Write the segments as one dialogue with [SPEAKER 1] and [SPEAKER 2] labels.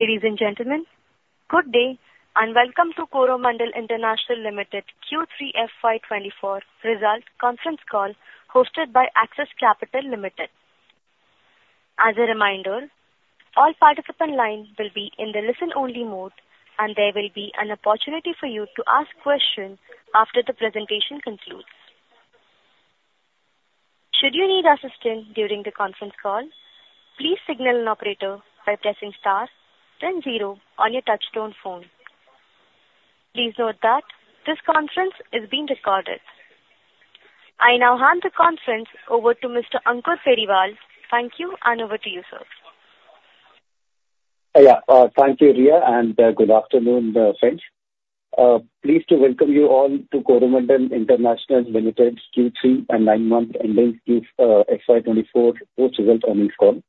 [SPEAKER 1] Ladies and gentlemen, good day, and welcome to Coromandel International Limited Q3 FY24 Results Conference Call, hosted by Axis Capital Limited. As a reminder, all participant lines will be in the listen-only mode, and there will be an opportunity for you to ask questions after the presentation concludes. Should you need assistance during the conference call, please signal an operator by pressing star then zero on your touchtone phone. Please note that this conference is being recorded. I now hand the conference over to Mr. Ankur Periwal. Thank you, and over to you, sir.
[SPEAKER 2] Yeah, thank you, Riya, and good afternoon, friends. Pleased to welcome you all to Coromandel International Limited's Q3 and nine-month ending FY24 post result earnings call.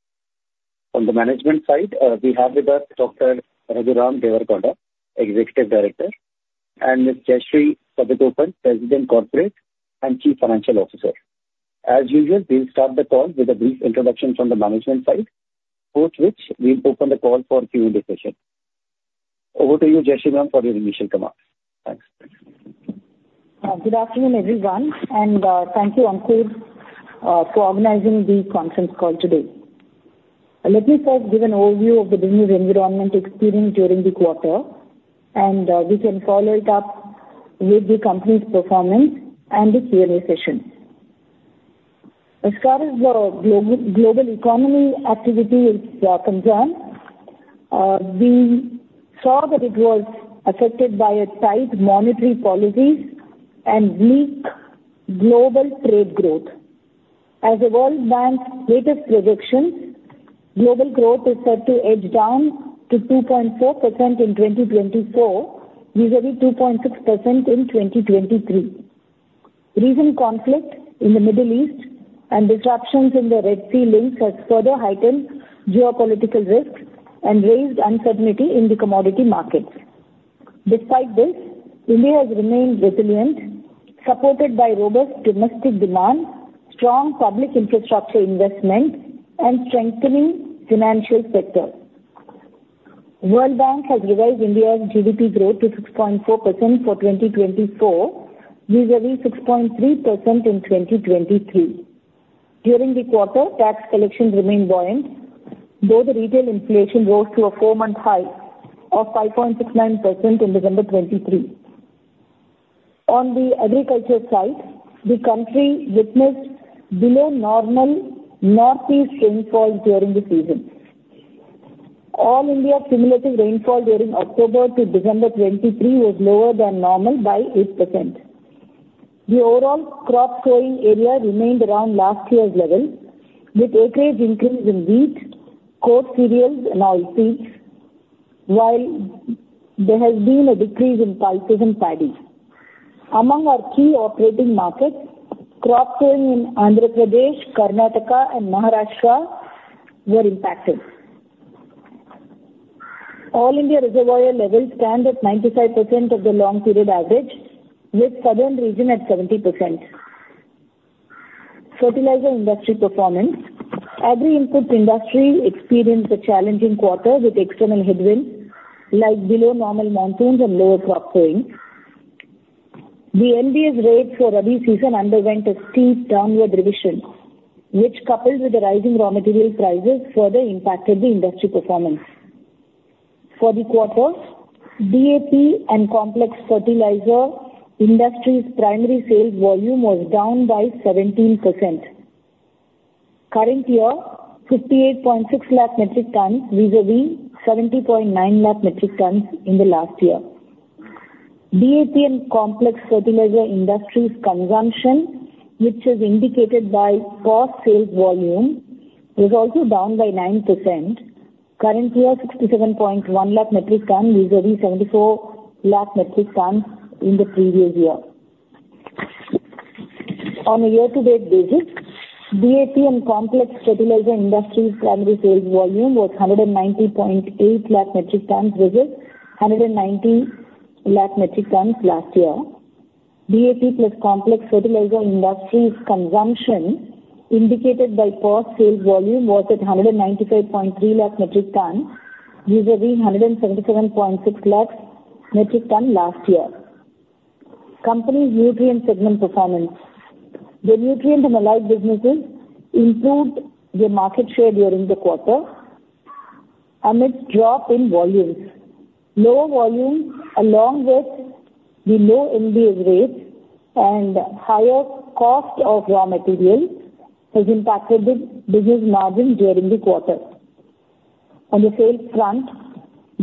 [SPEAKER 2] From the management side, we have with us Dr. Raghuram Devarakonda, Executive Director, and Ms. Jayashree Satagopan, President Corporate and Chief Financial Officer. As usual, we'll start the call with a brief introduction from the management side, post which we'll open the call for Q&A session. Over to you, Jayashree, ma'am, for your initial comments. Thanks.
[SPEAKER 3] Good afternoon, everyone, and thank you, Ankur, for organizing the conference call today. Let me first give an overview of the business environment experienced during the quarter, and we can follow it up with the company's performance and the Q&A session. As far as the global economy activity is concerned, we saw that it was affected by a tight monetary policies and weak global trade growth. As the World Bank's latest projections, global growth is set to edge down to 2.4% in 2024, vis-à-vis 2.6% in 2023. Recent conflict in the Middle East and disruptions in the Red Sea links has further heightened geopolitical risks and raised uncertainty in the commodity markets. Despite this, India has remained resilient, supported by robust domestic demand, strong public infrastructure investment, and strengthening financial sector. World Bank has revised India's GDP growth to 6.4% for 2024, vis-à-vis 6.3% in 2023. During the quarter, tax collections remained buoyant, though the retail inflation rose to a four-month high of 5.69% in November 2023. On the agriculture side, the country witnessed below normal northeast rainfall during the season. All India cumulative rainfall during October to December 2023 was lower than normal by 8%. The overall crop sowing area remained around last year's level, with acreage increase in wheat, coarse cereals and oilseeds, while there has been a decrease in pulses and paddy. Among our key operating markets, crop sowing in Andhra Pradesh, Karnataka, and Maharashtra were impacted. All India reservoir levels stand at 95% of the long period average, with southern region at 70%. Fertilizer industry performance. Agri-input industry experienced a challenging quarter with external headwinds, like below normal monsoons and lower crop sowing. The NBS rates for Rabi season underwent a steep downward revision, which, coupled with the rising raw material prices, further impacted the industry performance. For the quarter, DAP and complex fertilizer industry's primary sales volume was down by 17%. Current year, 58.6 lakh metric tons, vis-à-vis 70.9 lakh metric tons in the last year. DAP and complex fertilizer industry's consumption, which is indicated by POS sales volume, is also down by 9%. Current year, 67.1 lakh metric ton, vis-à-vis 74 lakh metric ton in the previous year. On a year-to-date basis, DAP and complex fertilizer industry's primary sales volume was 190.8 lakh metric tons versus 190 lakh metric tons last year. DAP plus complex fertilizer industry's consumption, indicated by POS sales volume, was at 195.3 lakh metric tons, vis-à-vis 177.6 lakh metric tons last year. Company's nutrient segment performance. The nutrient and allied businesses improved their market share during the quarter amidst drop in volumes. Lower volumes, along with the low NBS rates and higher cost of raw materials, has impacted the business margin during the quarter. On the sales front,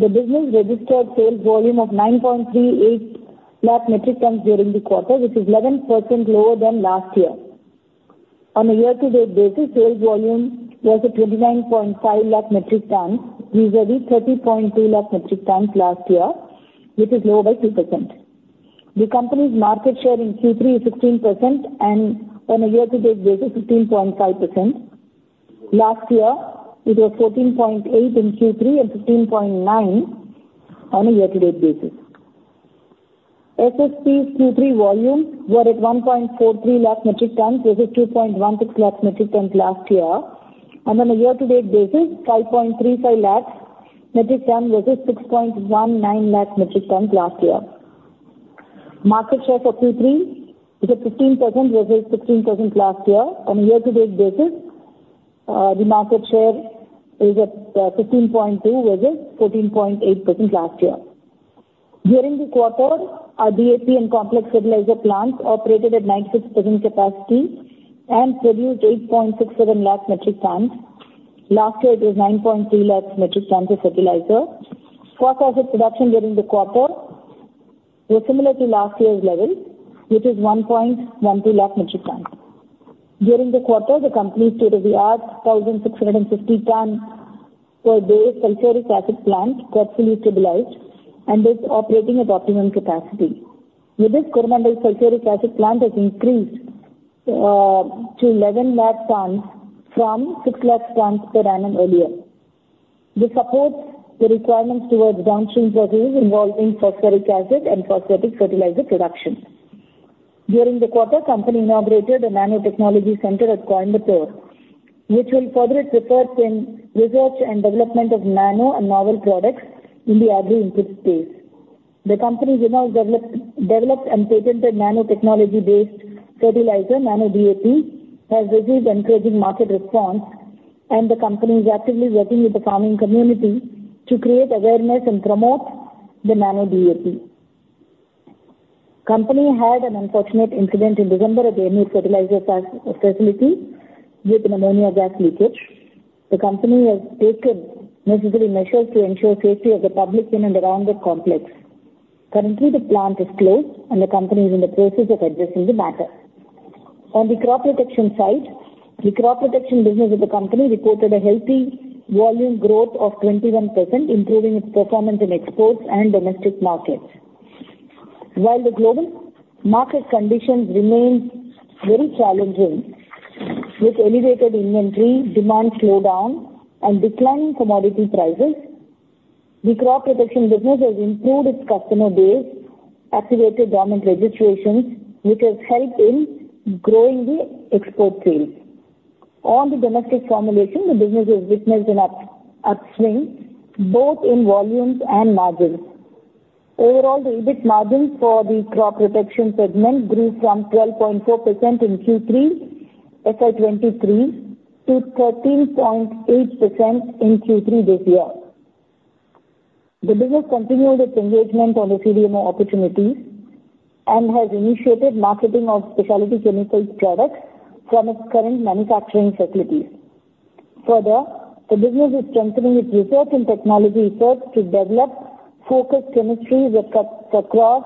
[SPEAKER 3] the business registered sales volume of 9.38 lakh metric tons during the quarter, which is 11% lower than last year. On a year-to-date basis, sales volume was at 29.5 lakh metric tons, vis-à-vis 30.2 lakh metric tons last year, which is lower by 2%. The company's market share in Q3 is 16%, and on a year-to-date basis, 15.5%. Last year, it was 14.8 in Q3 and 15.9 on a year-to-date basis. SSP's Q3 volumes were at 1.43 lakh metric tons versus 2.16 lakh metric tons last year, and on a year-to-date basis, 5.35 lakh metric ton versus 6.19 lakh metric ton last year. Market share for Q3 is at 15% versus 16% last year. On a year-to-date basis, the market share is at, 15.2 versus 14.8% last year. During the quarter, our DAP and complex fertilizer plants operated at 96% capacity and produced 8.67 lakh metric tons. Last year, it was 9.2 lakh metric tons of fertilizer. Phosphoric acid production during the quarter was similar to last year's level, which is 1.12 lakh metric tons. During the quarter, the company's state-of-the-art 1,650 ton per day phosphoric acid plant got fully stabilized and is operating at optimum capacity. With this, Coromandel phosphoric acid plant has increased to 11 lakh tons from 6 lakh tons per annum earlier. This supports the requirements towards downstream processes involving phosphoric acid and phosphate fertilizer production. During the quarter, company inaugurated a nanotechnology center at Coimbatore, which will further support in research and development of nano and novel products in the agri-input space. The company has now developed and patented nanotechnology-based fertilizer, Nano DAP, has received encouraging market response, and the company is actively working with the farming community to create awareness and promote the Nano DAP. Company had an unfortunate incident in December at Ennore Fertilizer Facility due to ammonia gas leakage. The company has taken necessary measures to ensure safety of the public in and around the complex. Currently, the plant is closed, and the company is in the process of addressing the matter. On the crop protection side, the crop protection business of the company reported a healthy volume growth of 21%, improving its performance in exports and domestic markets. While the global market conditions remain very challenging with elevated inventory, demand slowdown, and declining commodity prices, the crop protection business has improved its customer base, activated government registrations, which has helped in growing the export sales. On the domestic formulation, the business has witnessed an upswing both in volumes and margins. Overall, the EBIT margins for the crop protection segment grew from 12.4% in Q3 FY 2023 to 13.8% in Q3 this year. The business continued its engagement on the CDMO opportunities and has initiated marketing of specialty chemicals products from its current manufacturing facilities. Further, the business is strengthening its research and technology efforts to develop focused chemistry across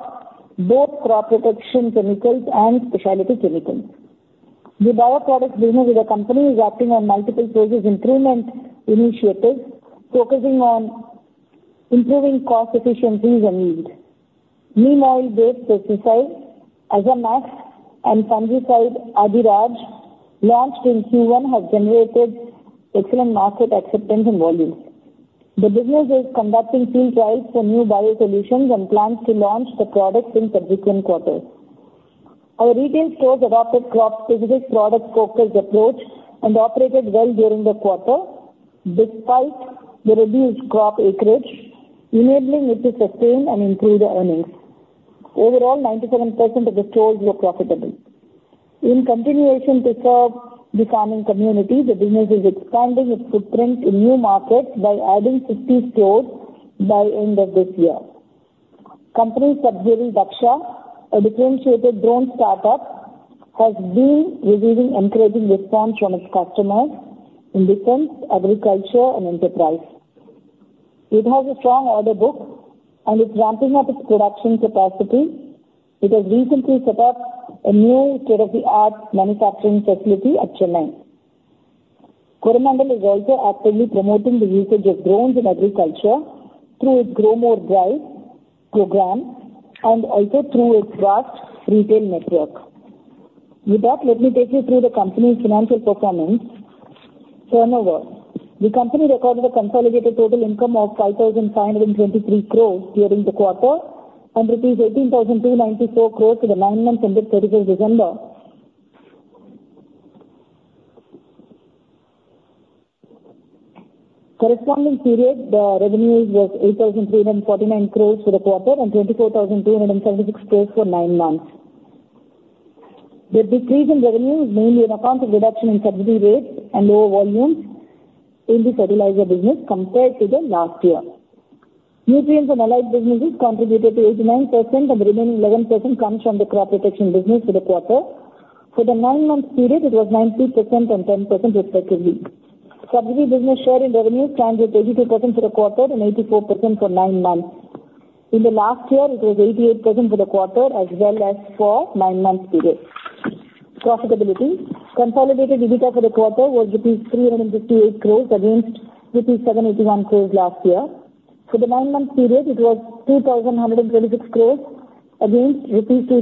[SPEAKER 3] both crop protection chemicals and specialty chemicals. The bioproducts business of the company is acting on multiple stages improvement initiatives, focusing on improving cost efficiencies and yield. Neem-based herbicide Azamax and fungicide Azadiraj, launched in Q1, have generated excellent market acceptance and volumes. The business is conducting field trials for new biosolutions and plans to launch the products in subsequent quarters. Our retail stores adopted crop-specific product focused approach and operated well during the quarter, despite the reduced crop acreage, enabling it to sustain and improve the earnings. Overall, 97% of the stores were profitable. In continuation to serve the farming community, the business is expanding its footprint in new markets by adding 50 stores by end of this year. Company's subsidiary, Dhaksha, a differentiated drone startup, has been receiving encouraging response from its customers in defense, agriculture, and enterprise. It has a strong order book, and it's ramping up its production capacity. It has recently set up a new state-of-the-art manufacturing facility at Chennai. Coromandel is also actively promoting the usage of drones in agriculture through its Gromor Drive program and also through its vast retail network. With that, let me take you through the company's financial performance. Turnover. The company recorded a consolidated total income of 5,523 crores during the quarter and rupees 18,294 crores for the nine months ended thirty-first December. Corresponding period, the revenues was 8,349 crores for the quarter and 24,276 crores for nine months. The decrease in revenue is mainly on account of reduction in subsidy rates and lower volumes in the fertilizer business compared to the last year. Nutrients and allied businesses contributed to 89%, and the remaining 11% comes from the crop protection business for the quarter. For the nine-month period, it was 90% and 10% respectively. Subsidy business share in revenues stands at 82% for the quarter and 84% for nine months. In the last year, it was 88% for the quarter as well as for nine months period. Profitability. Consolidated EBITDA for the quarter was 358 crore against 781 crore last year. For the nine-month period, it was 2,126 crore against 2,523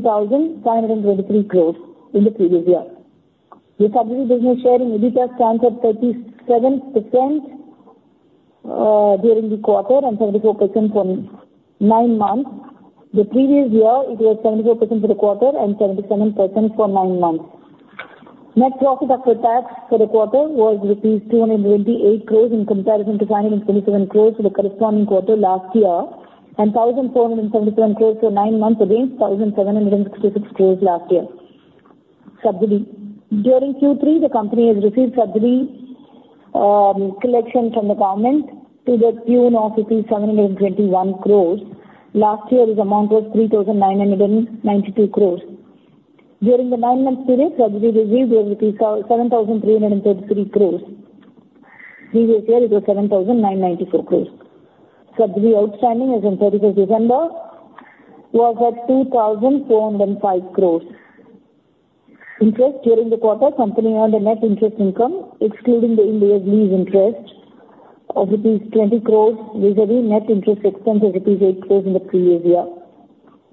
[SPEAKER 3] crore in the previous year. The subsidy business share in EBITDA stands at 37% during the quarter and 74% from nine months. The previous year, it was 74% for the quarter and 77% for nine months. Net profit after tax for the quarter was rupees 288 crore, in comparison to 937 crore for the corresponding quarter last year, and 1,477 crore for nine months against 1,766 crore last year. Subsidy: During Q3, the company has received subsidy collection from the government to the tune of rupees 721 crore. Last year, this amount was 3,992 crore. During the nine-month period, subsidy received was rupees 7,333 crore. Previous year, it was 7,994 crore. Subsidy outstanding as of 31 December was at 2,405 crore. Interest during the quarter, company earned a net interest income, excluding the Ind-AS interest, of rupees 20 crore, vis-à-vis net interest expense of rupees 8 crore in the previous year.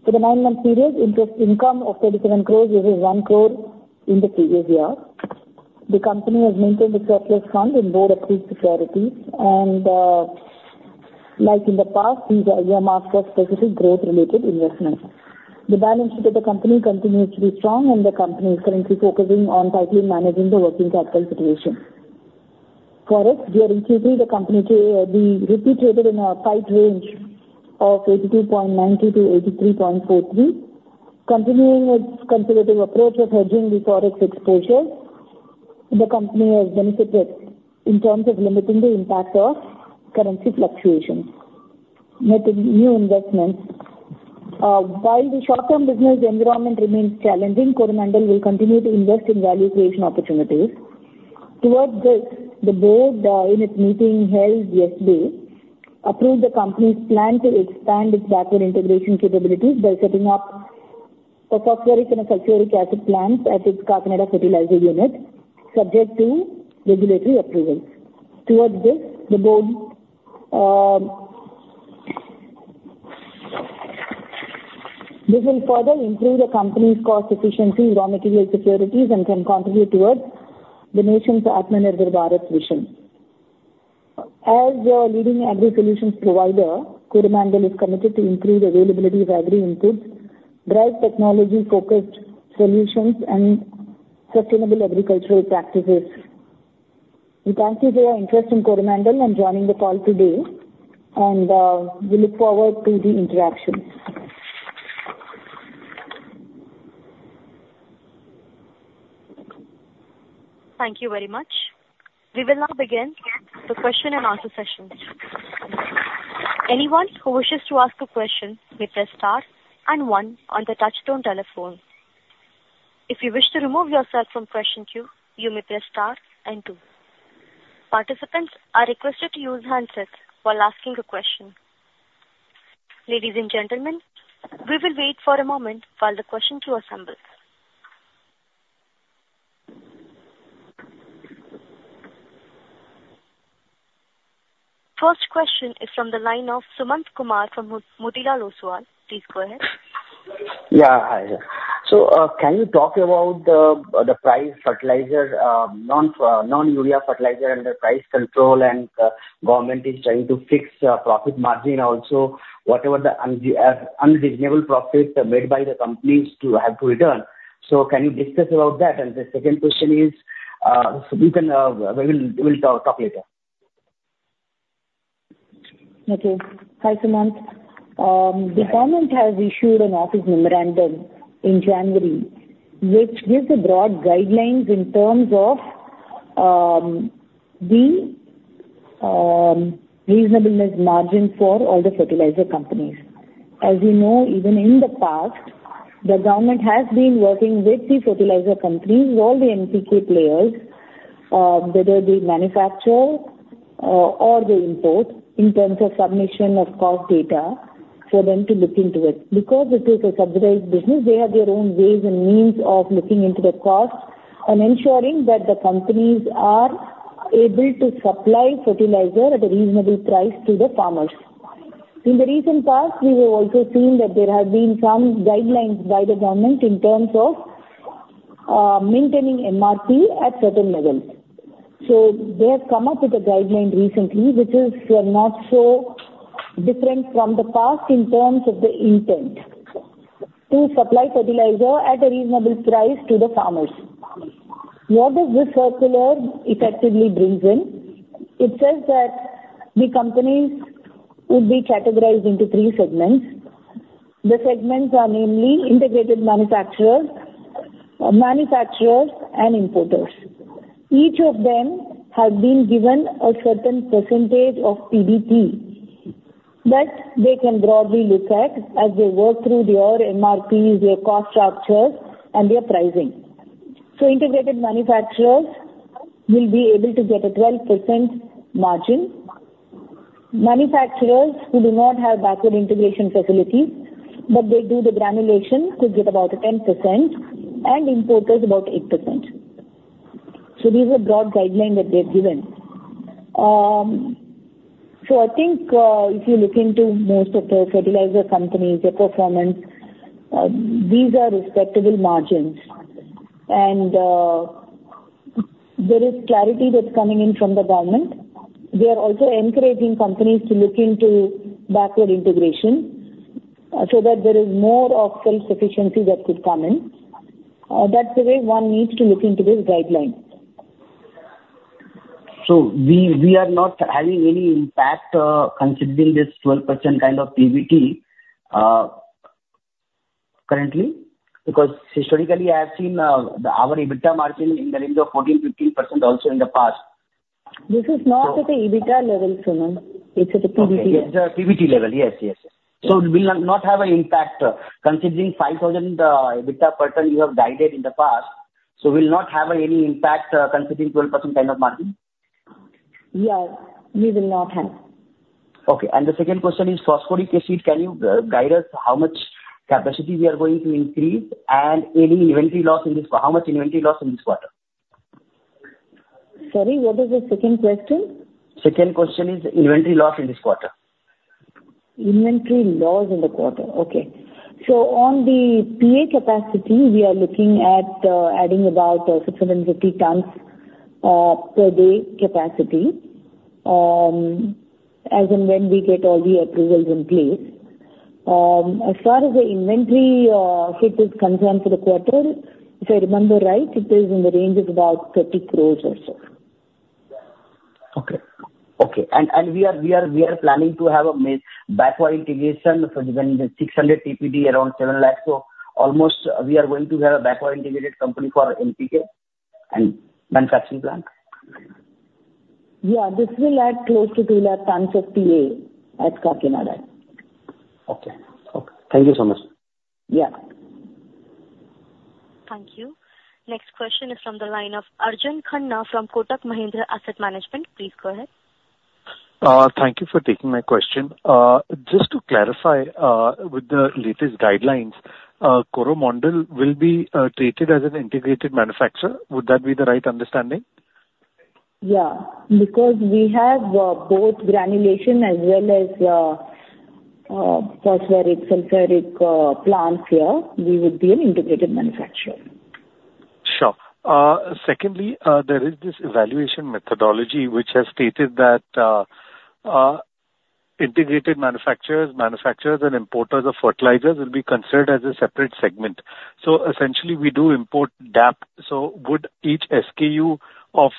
[SPEAKER 3] For the nine-month period, interest income of 37 crore versus 1 crore in the previous year. The company has maintained the surplus fund in both approved securities and, like in the past, these are earmarked for specific growth-related investments. The balance sheet of the company continues to be strong, and the company is currently focusing on tightly managing the working capital situation. Forex during Q3, the currency was in a tight range of 82.90-83.43. Continuing its conservative approach of hedging the Forex exposure, the company has benefited in terms of limiting the impact of currency fluctuations. Making new investments. While the short term business environment remains challenging, Coromandel will continue to invest in value creation opportunities. Towards this, the board in its meeting held yesterday approved the company's plan to expand its backward integration capabilities by setting up a sulfuric acid plant at its Karnataka fertilizer unit, subject to regulatory approvals. Towards this, the board... This will further improve the company's cost efficiency, raw material securities, and can contribute towards the nation's Atmanirbhar Bharat vision. As a leading agri solutions provider, Coromandel is committed to improve availability of agri inputs, drive technology-focused solutions, and sustainable agricultural practices. We thank you for your interest in Coromandel and joining the call today, and we look forward to the interactions.
[SPEAKER 1] Thank you very much. We will now begin the question and answer session. Anyone who wishes to ask a question may press star and one on the touchtone telephone. If you wish to remove yourself from question queue, you may press star and two. Participants are requested to use handsets while asking the question. Ladies and gentlemen, we will wait for a moment while the question queue assembles. First question is from the line of Sumant Kumar from Motilal Oswal. Please go ahead.
[SPEAKER 4] Yeah, hi. So, can you talk about the price fertilizer, non-urea fertilizer and the price control, and government is trying to fix profit margin also, whatever the unreasonable profits made by the companies to have to return. So can you discuss about that? And the second question is, we can, we will, we'll talk later.
[SPEAKER 3] Okay. Hi, Sumant. The government has issued an office memorandum in January, which gives the broad guidelines in terms of the reasonableness margin for all the fertilizer companies. As you know, even in the past, the government has been working with the fertilizer companies, all the NPK players, whether they manufacture or they import, in terms of submission of cost data for them to look into it. Because it is a subsidized business, they have their own ways and means of looking into the costs and ensuring that the companies are able to supply fertilizer at a reasonable price to the farmers. In the recent past, we have also seen that there have been some guidelines by the government in terms of maintaining MRP at certain levels. So they have come up with a guideline recently, which is, not so different from the past in terms of the intent: to supply fertilizer at a reasonable price to the farmers. What does this circular effectively brings in? It says that the companies will be categorized into three segments. The segments are namely integrated manufacturers, manufacturers, and importers. Each of them have been given a certain percentage of PBT that they can broadly look at as they work through their MRPs, their cost structures, and their pricing. So integrated manufacturers will be able to get a 12% margin. Manufacturers who do not have backward integration facilities, but they do the granulation, could get about a 10%, and importers about 8%. So these are broad guideline that they've given. So I think, if you look into most of the fertilizer companies, their performance, these are respectable margins, and there is clarity that's coming in from the government. They are also encouraging companies to look into backward integration, so that there is more of self-sufficiency that could come in. That's the way one needs to look into this guideline.
[SPEAKER 4] We are not having any impact, considering this 12% kind of PBT, currently? Because historically, I have seen our EBITDA margin in the range of 14%-15% also in the past.
[SPEAKER 3] This is not at the EBITDA level, Sumant, it's at the PBT.
[SPEAKER 4] Okay, it's at PBT level. Yes, yes. So we'll not have an impact, considering 5,000 EBITDA per ton you have guided in the past, so we'll not have any impact, considering 12% kind of margin?
[SPEAKER 3] Yeah, we will not have.
[SPEAKER 4] Okay. And the second question is phosphoric acid. Can you guide us how much capacity we are going to increase and any inventory loss in this...? How much inventory loss in this quarter?
[SPEAKER 3] Sorry, what is the second question?
[SPEAKER 4] Second question is inventory loss in this quarter.
[SPEAKER 3] Inventory loss in the quarter. Okay. So on the PA capacity, we are looking at, adding about 650 tons per day capacity, as and when we get all the approvals in place. As far as the inventory, hit is concerned for the quarter, if I remember right, it is in the range of about 30 crore or so.
[SPEAKER 4] Okay, and we are planning to have a backward integration for the 600 TPD, around 7 lakh tons. So almost we are going to have a backward integrated company for NPK and manufacturing plant?
[SPEAKER 3] Yeah, this will add close to 200,000 tons of PA at Kakinada.
[SPEAKER 4] Okay. Okay. Thank you so much.
[SPEAKER 3] Yeah.
[SPEAKER 1] Thank you. Next question is from the line of Arjun Khanna from Kotak Mahindra Asset Management. Please go ahead.
[SPEAKER 5] Thank you for taking my question. Just to clarify, with the latest guidelines, Coromandel will be treated as an integrated manufacturer? Would that be the right understanding?
[SPEAKER 3] Yeah, because we have both granulation as well as phosphoric, sulfuric plants here, we would be an integrated manufacturer.
[SPEAKER 5] Sure. Secondly, there is this evaluation methodology, which has stated that integrated manufacturers, manufacturers and importers of fertilizers will be considered as a separate segment. So essentially, we do import DAP. So would each SKU of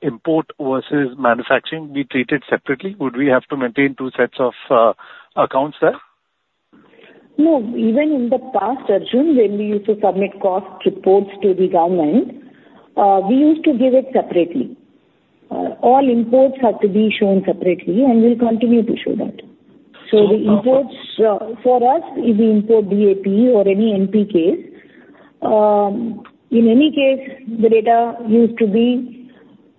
[SPEAKER 5] import versus manufacturing be treated separately? Would we have to maintain two sets of accounts there?
[SPEAKER 3] No, even in the past, Arjun, when we used to submit cost reports to the government, we used to give it separately. All imports had to be shown separately, and we'll continue to show that.
[SPEAKER 5] So-
[SPEAKER 3] So the imports, for us, if we import DAP or any NPKs, in any case, the data used to be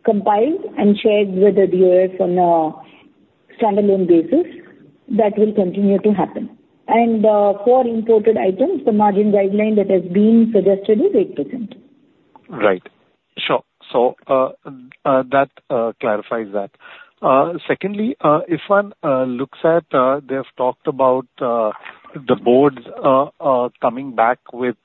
[SPEAKER 3] compiled and shared with the DoF on a standalone basis. That will continue to happen. For imported items, the margin guideline that has been suggested is 8%.
[SPEAKER 5] Right. Sure. So, that clarifies that. Secondly, if one looks at, they have talked about the boards coming back with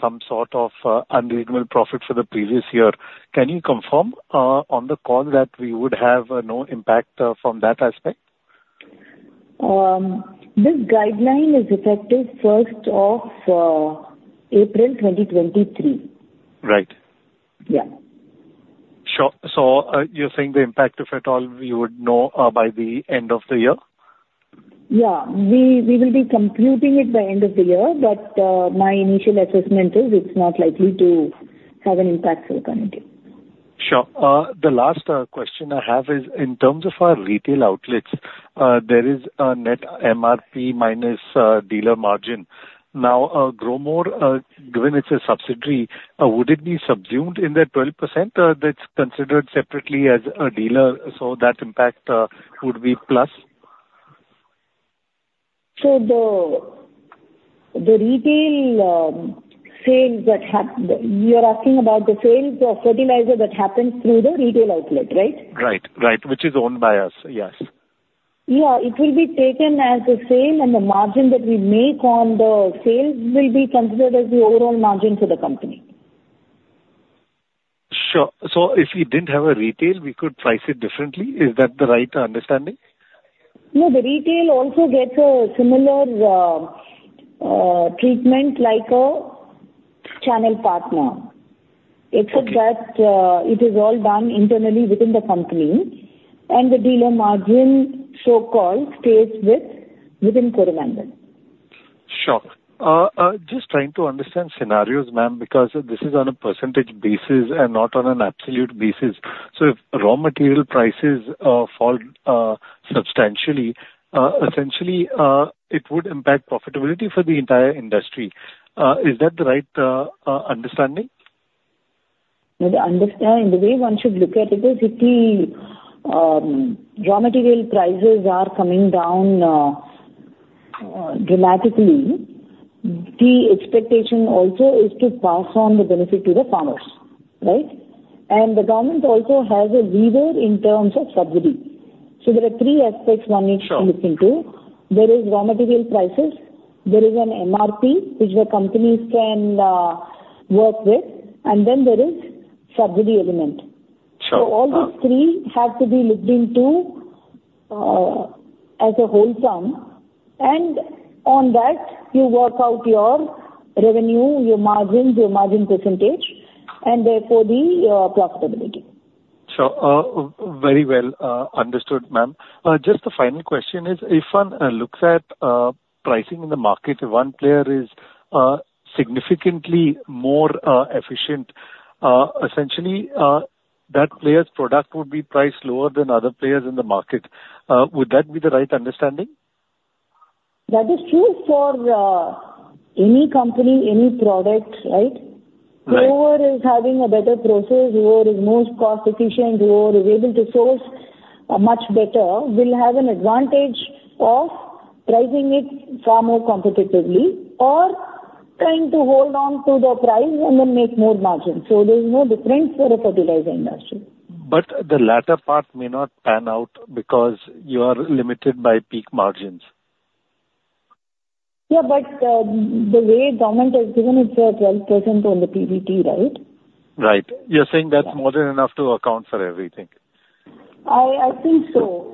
[SPEAKER 5] some sort of unreasonable profit for the previous year. Can you confirm on the call that we would have no impact from that aspect?
[SPEAKER 3] This guideline is effective first of April 2023.
[SPEAKER 5] Right.
[SPEAKER 3] Yeah.
[SPEAKER 5] Sure. So, you're saying the impact, if at all, we would know, by the end of the year?
[SPEAKER 3] Yeah. We will be concluding it by end of the year, but my initial assessment is it's not likely to have an impact for the company.
[SPEAKER 5] Sure. The last question I have is, in terms of our retail outlets, there is a net MRP minus dealer margin. Now, Gromor, given it's a subsidiary, would it be subsumed in that 12%, that's considered separately as a dealer, so that impact would be plus?
[SPEAKER 3] So the retail sales. You're asking about the sales of fertilizer that happens through the retail outlet, right?
[SPEAKER 5] Right, right. Which is owned by us, yes.
[SPEAKER 3] Yeah, it will be taken as the same, and the margin that we make on the sales will be considered as the overall margin for the company.
[SPEAKER 5] Sure. So if we didn't have a retail, we could price it differently. Is that the right understanding?
[SPEAKER 3] No, the retail also gets a similar treatment like a channel partner.
[SPEAKER 5] Okay.
[SPEAKER 3] Except that, it is all done internally within the company, and the dealer margin, so-called, stays within Coromandel.
[SPEAKER 5] Sure. Just trying to understand scenarios, ma'am, because this is on a percentage basis and not on an absolute basis. So if raw material prices fall substantially, essentially, it would impact profitability for the entire industry. Is that the right understanding?
[SPEAKER 3] The way one should look at it is, if the raw material prices are coming down dramatically, the expectation also is to pass on the benefit to the farmers, right? And the government also has a lever in terms of subsidy. So there are three aspects one needs to look into.
[SPEAKER 5] Sure.
[SPEAKER 3] There are raw material prices, there is an MRP, which the companies can work with, and then there is subsidy element.
[SPEAKER 5] Sure.
[SPEAKER 3] So all these three have to be looked into, as a whole sum, and on that, you work out your revenue, your margins, your margin percentage, and therefore the profitability.
[SPEAKER 5] Sure. Very well understood, ma'am. Just a final question is, if one looks at pricing in the market, one player is significantly more efficient, essentially, that player's product would be priced lower than other players in the market. Would that be the right understanding?
[SPEAKER 3] That is true for any company, any product, right?
[SPEAKER 5] Right.
[SPEAKER 3] Whoever is having a better process, whoever is most cost efficient, whoever is able to source much better, will have an advantage of pricing it far more competitively or trying to hold on to the price and then make more margins, so there is no difference for the fertilizer industry.
[SPEAKER 5] But the latter part may not pan out because you are limited by peak margins.
[SPEAKER 3] Yeah, but the way government has given it, 12% on the PBT, right?
[SPEAKER 5] Right. You're saying that's more than enough to account for everything.
[SPEAKER 3] I think so.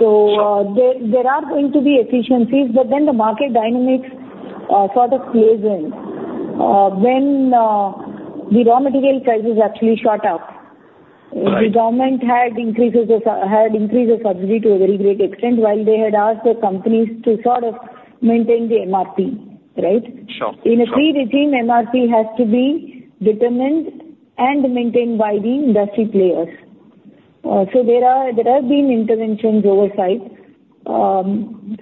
[SPEAKER 3] So, there are going to be efficiencies, but then the market dynamics sort of plays in. When the raw material prices actually shot up-
[SPEAKER 5] Right...
[SPEAKER 3] the government had increased the subsidy to a very great extent, while they had asked the companies to sort of maintain the MRP, right?
[SPEAKER 5] Sure.
[SPEAKER 3] In a free regime, MRP has to be determined and maintained by the industry players. So there have been interventions oversight.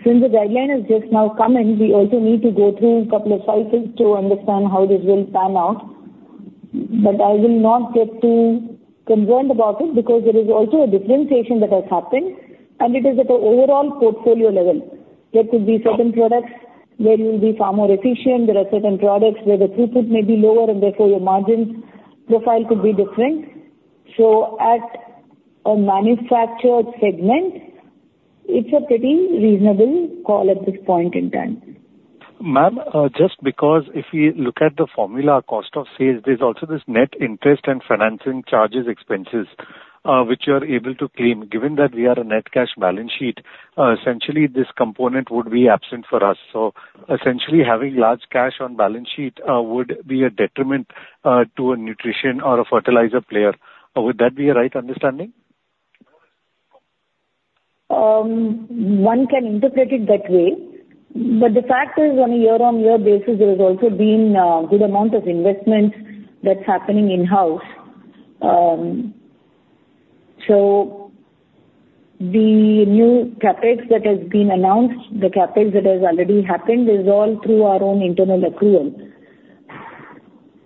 [SPEAKER 3] Since the guideline has just now come in, we also need to go through a couple of cycles to understand how this will pan out. But I will not get too concerned about it, because there is also a differentiation that has happened, and it is at the overall portfolio level. There could be certain products where you'll be far more efficient. There are certain products where the throughput may be lower, and therefore your margins profile could be different. So at a manufactured segment, it's a pretty reasonable call at this point in time.
[SPEAKER 5] Ma'am, just because if we look at the formula, cost of sales, there's also this net interest and financing charges expenses, which you are able to claim. Given that we are a net cash balance sheet, essentially this component would be absent for us. So essentially, having large cash on balance sheet, would be a detriment to a nutrient or a fertilizer player. Would that be a right understanding?
[SPEAKER 3] One can interpret it that way, but the fact is, on a year-on-year basis, there has also been good amount of investment that's happening in-house. So the new CapEx that has been announced, the CapEx that has already happened, is all through our own internal accrual.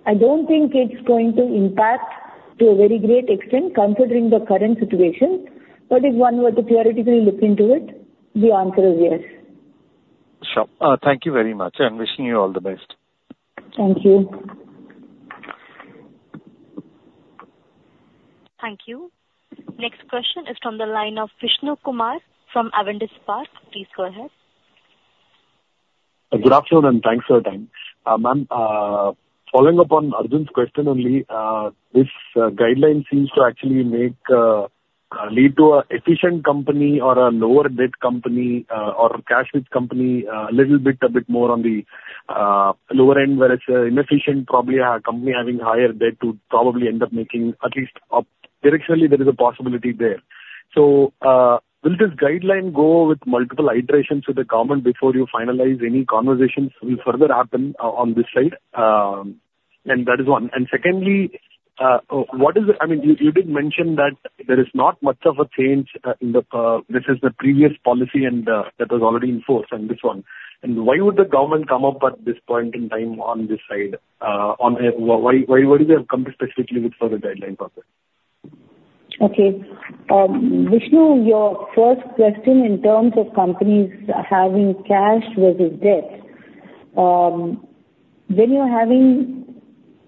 [SPEAKER 3] I don't think it's going to impact to a very great extent, considering the current situation. But if one were to theoretically look into it, the answer is yes.
[SPEAKER 5] Sure. Thank you very much, and wishing you all the best.
[SPEAKER 3] Thank you.
[SPEAKER 1] Thank you. Next question is from the line of Vishnu Kumar from Avendus Spark. Please go ahead.
[SPEAKER 6] Good afternoon, and thanks for your time. Ma'am, following up on Arjun's question only, this guideline seems to actually make lead to a efficient company or a lower debt company, or cash rich company, little bit, a bit more on the lower end, whereas a inefficient probably company having higher debt would probably end up making at least up, directionally there is a possibility there. So, will this guideline go with multiple iterations with the government before you finalize any conversations will further happen on this side? That is one. Secondly, what is the... I mean, you did mention that there is not much of a change in the this is the previous policy, and that was already in force, and this one. Why would the government come up at this point in time on this side? Why do they have come specifically with further guideline process?
[SPEAKER 3] Okay. Vishnu, your first question in terms of companies having cash versus debt, when you're having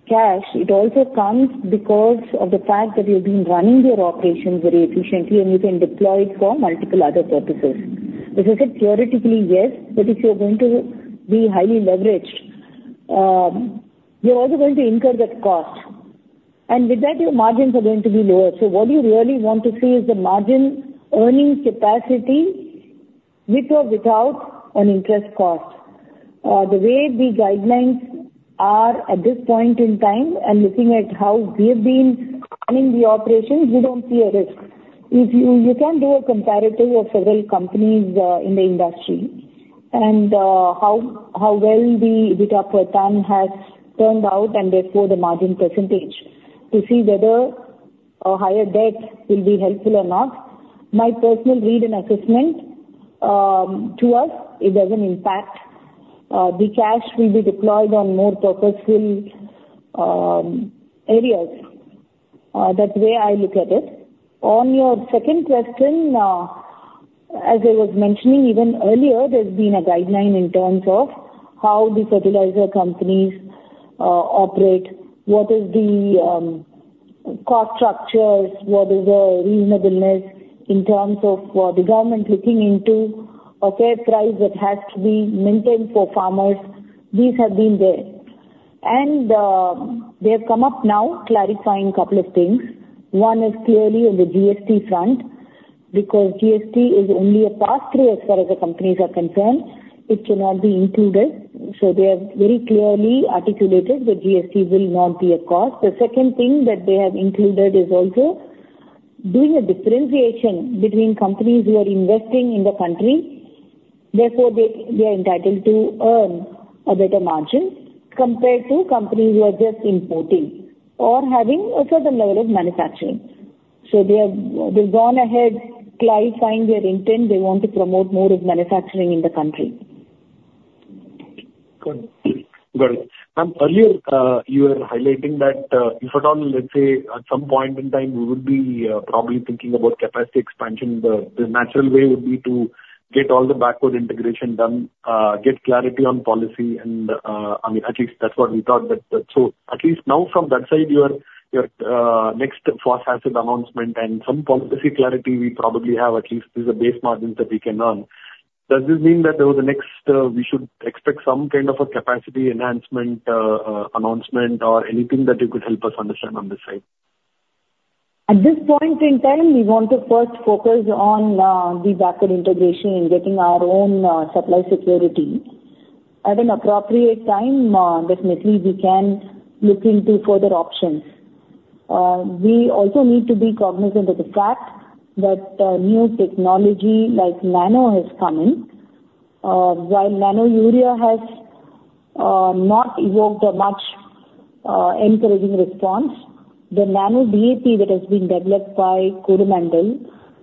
[SPEAKER 3] cash, it also comes because of the fact that you've been running your operations very efficiently and you can deploy it for multiple other purposes. As I said, theoretically, yes, but if you're going to be highly leveraged, you're also going to incur that cost, and with that, your margins are going to be lower. So what you really want to see is the margin earnings capacity with or without an interest cost. The way the guidelines are at this point in time, and looking at how we have been running the operations, we don't see a risk. If you can do a comparative of several companies in the industry, and how well the EBITDA per ton has turned out, and therefore the margin percentage, to see whether a higher debt will be helpful or not. My personal read and assessment, to us, it doesn't impact. The cash will be deployed on more purposeful areas. That's the way I look at it. On your second question, as I was mentioning even earlier, there's been a guideline in terms of how the fertilizer companies operate, what is the cost structures, what is the reasonableness in terms of the government looking into a fair price that has to be maintained for farmers. These have been there. And they have come up now clarifying a couple of things. One is clearly on the GST front, because GST is only a pass-through as far as the companies are concerned; it cannot be included. So they have very clearly articulated the GST will not be a cost. The second thing that they have included is also doing a differentiation between companies who are investing in the country, therefore they, they are entitled to earn a better margin compared to companies who are just importing or having a certain level of manufacturing. So they have, they've gone ahead clarifying their intent. They want to promote more of manufacturing in the country.
[SPEAKER 6] Good. Got it. Ma'am, earlier, you were highlighting that, if at all, let's say, at some point in time, we would be probably thinking about capacity expansion, the natural way would be to get all the backward integration done, get clarity on policy and, I mean, at least that's what we thought. But so at least now from that side, your next phosphoric acid announcement and some policy clarity, we probably have at least is the base margins that we can earn. Does this mean that over the next, we should expect some kind of a capacity enhancement announcement or anything that you could help us understand on this side?
[SPEAKER 3] At this point in time, we want to first focus on the backward integration and getting our own supply security. At an appropriate time, definitely we can look into further options. We also need to be cognizant of the fact that new technology like nano has come in. While Nano Urea has not evoked a much encouraging response, the Nano DAP that has been developed by Coromandel,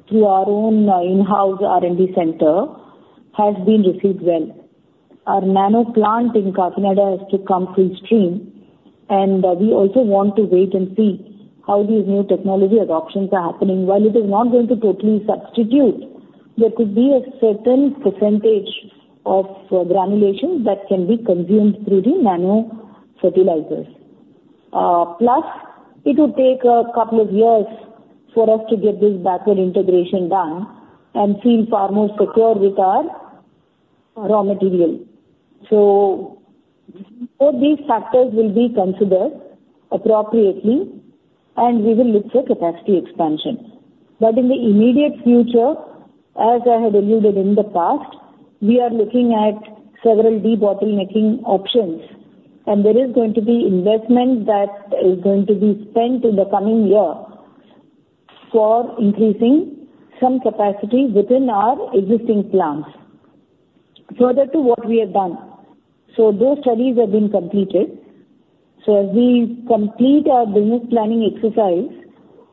[SPEAKER 3] through our own in-house R&D center, has been received well. Our nano plant in Kakinada has to come full stream, and we also want to wait and see how these new technology adoptions are happening. While it is not going to totally substitute, there could be a certain percentage of granulation that can be consumed through the nano fertilizers. Plus, it will take a couple of years for us to get this backward integration done and feel far more secure with our raw material. So all these factors will be considered appropriately, and we will look for capacity expansion. But in the immediate future, as I had alluded in the past, we are looking at several debottlenecking options, and there is going to be investment that is going to be spent in the coming year for increasing some capacity within our existing plants. Further to what we have done, so those studies have been completed. So as we complete our business planning exercise,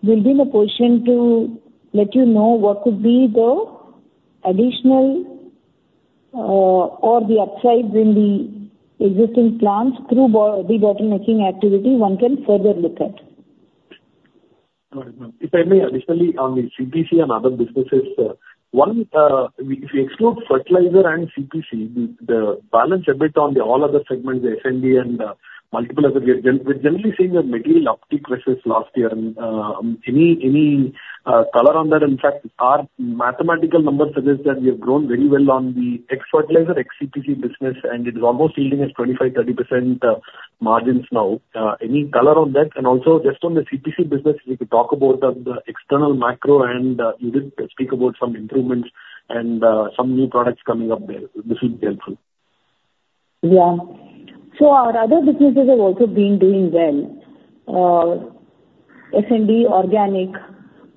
[SPEAKER 3] we'll be in a position to let you know what could be the additional, or the upsides in the existing plants through debottlenecking activity one can further look at.
[SPEAKER 6] All right, ma'am. If I may, additionally, on the CPC and other businesses, one, we, if we exclude fertilizer and CPC, the balance EBITDA on all other segments, the SND and multiple other, we're generally seeing a material uptick versus last year. And any color on that? In fact, our mathematical numbers suggest that we have grown very well on the ex-fertilizer, ex-CPC business, and it is almost yielding us 25-30% margins now. Any color on that? And also, just on the CPC business, if you could talk about the external macro, and you did speak about some improvements and some new products coming up there. This will be helpful.
[SPEAKER 3] Yeah. So our other businesses have also been doing well. SND, Organic,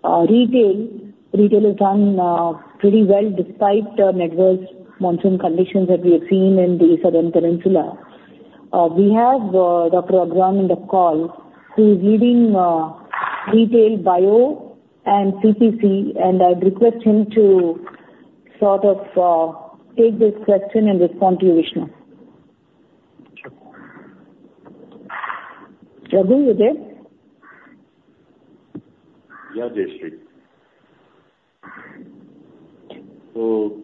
[SPEAKER 3] Retail. Retail has done pretty well despite the adverse monsoon conditions that we have seen in the Southern Peninsula. We have Dr. Raghuram on the call. He's leading Retail, Bio, and CPC, and I would request him to sort of take this question and respond to you, Vishnu. Raghuram, you there?
[SPEAKER 7] Yeah, Jayashree. So,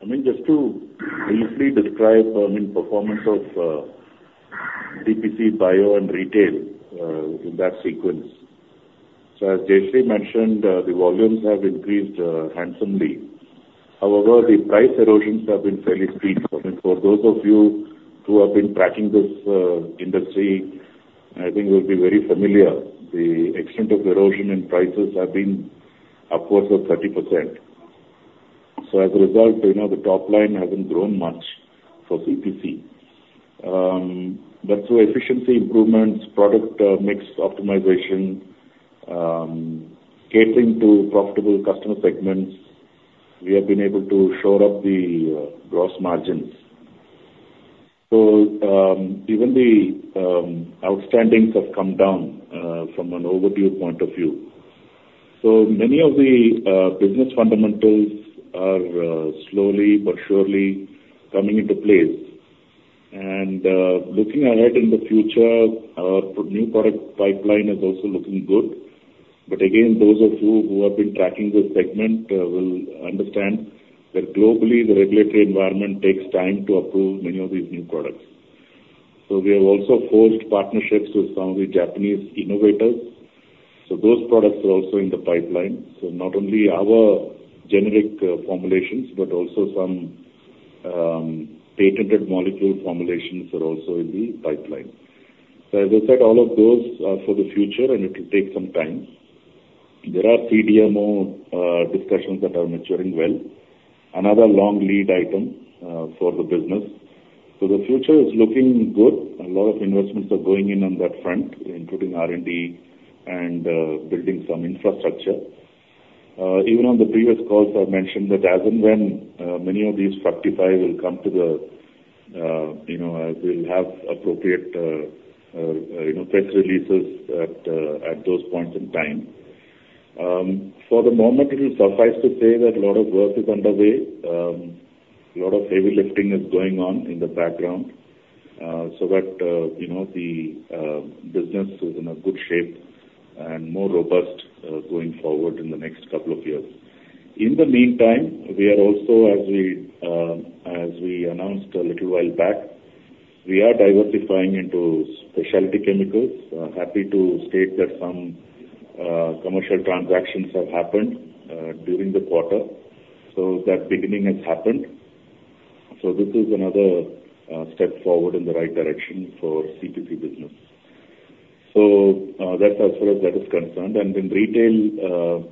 [SPEAKER 7] I mean, just to briefly describe, I mean, performance of CPC, Bio and Retail, in that sequence. So as Jayashree mentioned, the volumes have increased handsomely. However, the price erosions have been fairly steep. I mean, for those of you who have been tracking this industry, I think you'll be very familiar. The extent of erosion in prices has been upwards of 30%. So as a result, you know, the top line hasn't grown much for CPC. But through efficiency improvements, product mix optimization, catering to profitable customer segments, we have been able to shore up the gross margins. So, even the outstandings have come down from an overdue point of view. So many of the business fundamentals are slowly but surely coming into place. Looking ahead in the future, our new product pipeline is also looking good. But again, those of you who have been tracking this segment, will understand that globally, the regulatory environment takes time to approve many of these new products. So we have also forged partnerships with some of the Japanese innovators, so those products are also in the pipeline. So not only our generic, formulations, but also some, patented molecule formulations are also in the pipeline. So as I said, all of those are for the future, and it will take some time. There are CDMO discussions that are maturing well, another long lead item, for the business. So the future is looking good, and a lot of investments are going in on that front, including R&D and building some infrastructure. Even on the previous calls, I've mentioned that as and when many of these 55 will come to the, you know, you know, we'll have appropriate, you know, press releases at, at those points in time. For the moment, it will suffice to say that a lot of work is underway. A lot of heavy lifting is going on in the background, so that, you know, the business is in a good shape and more robust, going forward in the next couple of years. In the meantime, we are also, as we, as we announced a little while back, we are diversifying into specialty chemicals. Happy to state that some commercial transactions have happened during the quarter. So that beginning has happened. So this is another step forward in the right direction for CPC business. So that's as far as that is concerned. And in retail,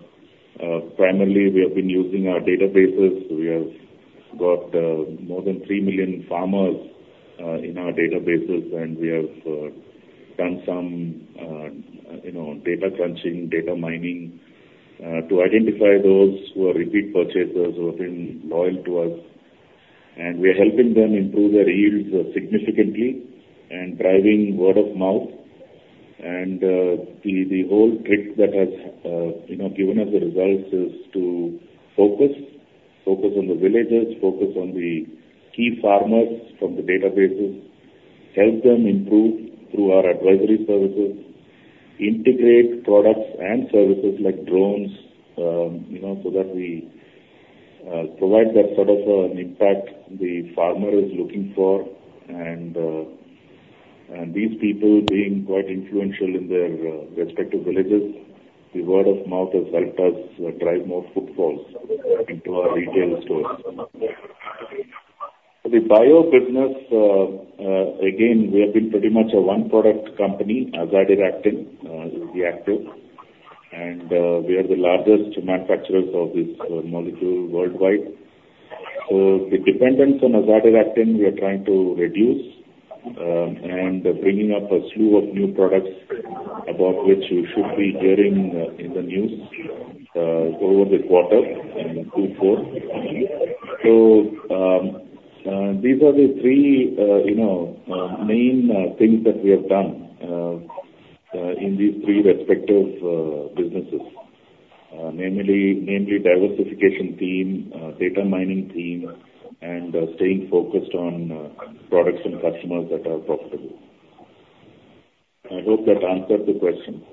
[SPEAKER 7] primarily, we have been using our databases. We have got more than 3 million farmers in our databases, and we have done some, you know, data crunching, data mining to identify those who are repeat purchasers, who have been loyal to us. And we are helping them improve their yields significantly and driving word of mouth. And the whole trick that has, you know, given us the results is to focus on the villages, focus on the key farmers from the databases, help them improve through our advisory services, integrate products and services like drones, you know, so that we provide that sort of an impact the farmer is looking for. These people being quite influential in their respective villages, the word of mouth has helped us drive more footfalls into our retail stores. The bio business, again, we have been pretty much a one-product company, Azadirachtin is the active, and we are the largest manufacturers of this molecule worldwide. So the dependence on Azadirachtin, we are trying to reduce, and bringing up a slew of new products, about which you should be hearing in the news over the quarter and Q4. So, these are the three, you know, main things that we have done in these three respective businesses. Namely, diversification theme, data mining theme, and staying focused on products and customers that are profitable. I hope that answered the question.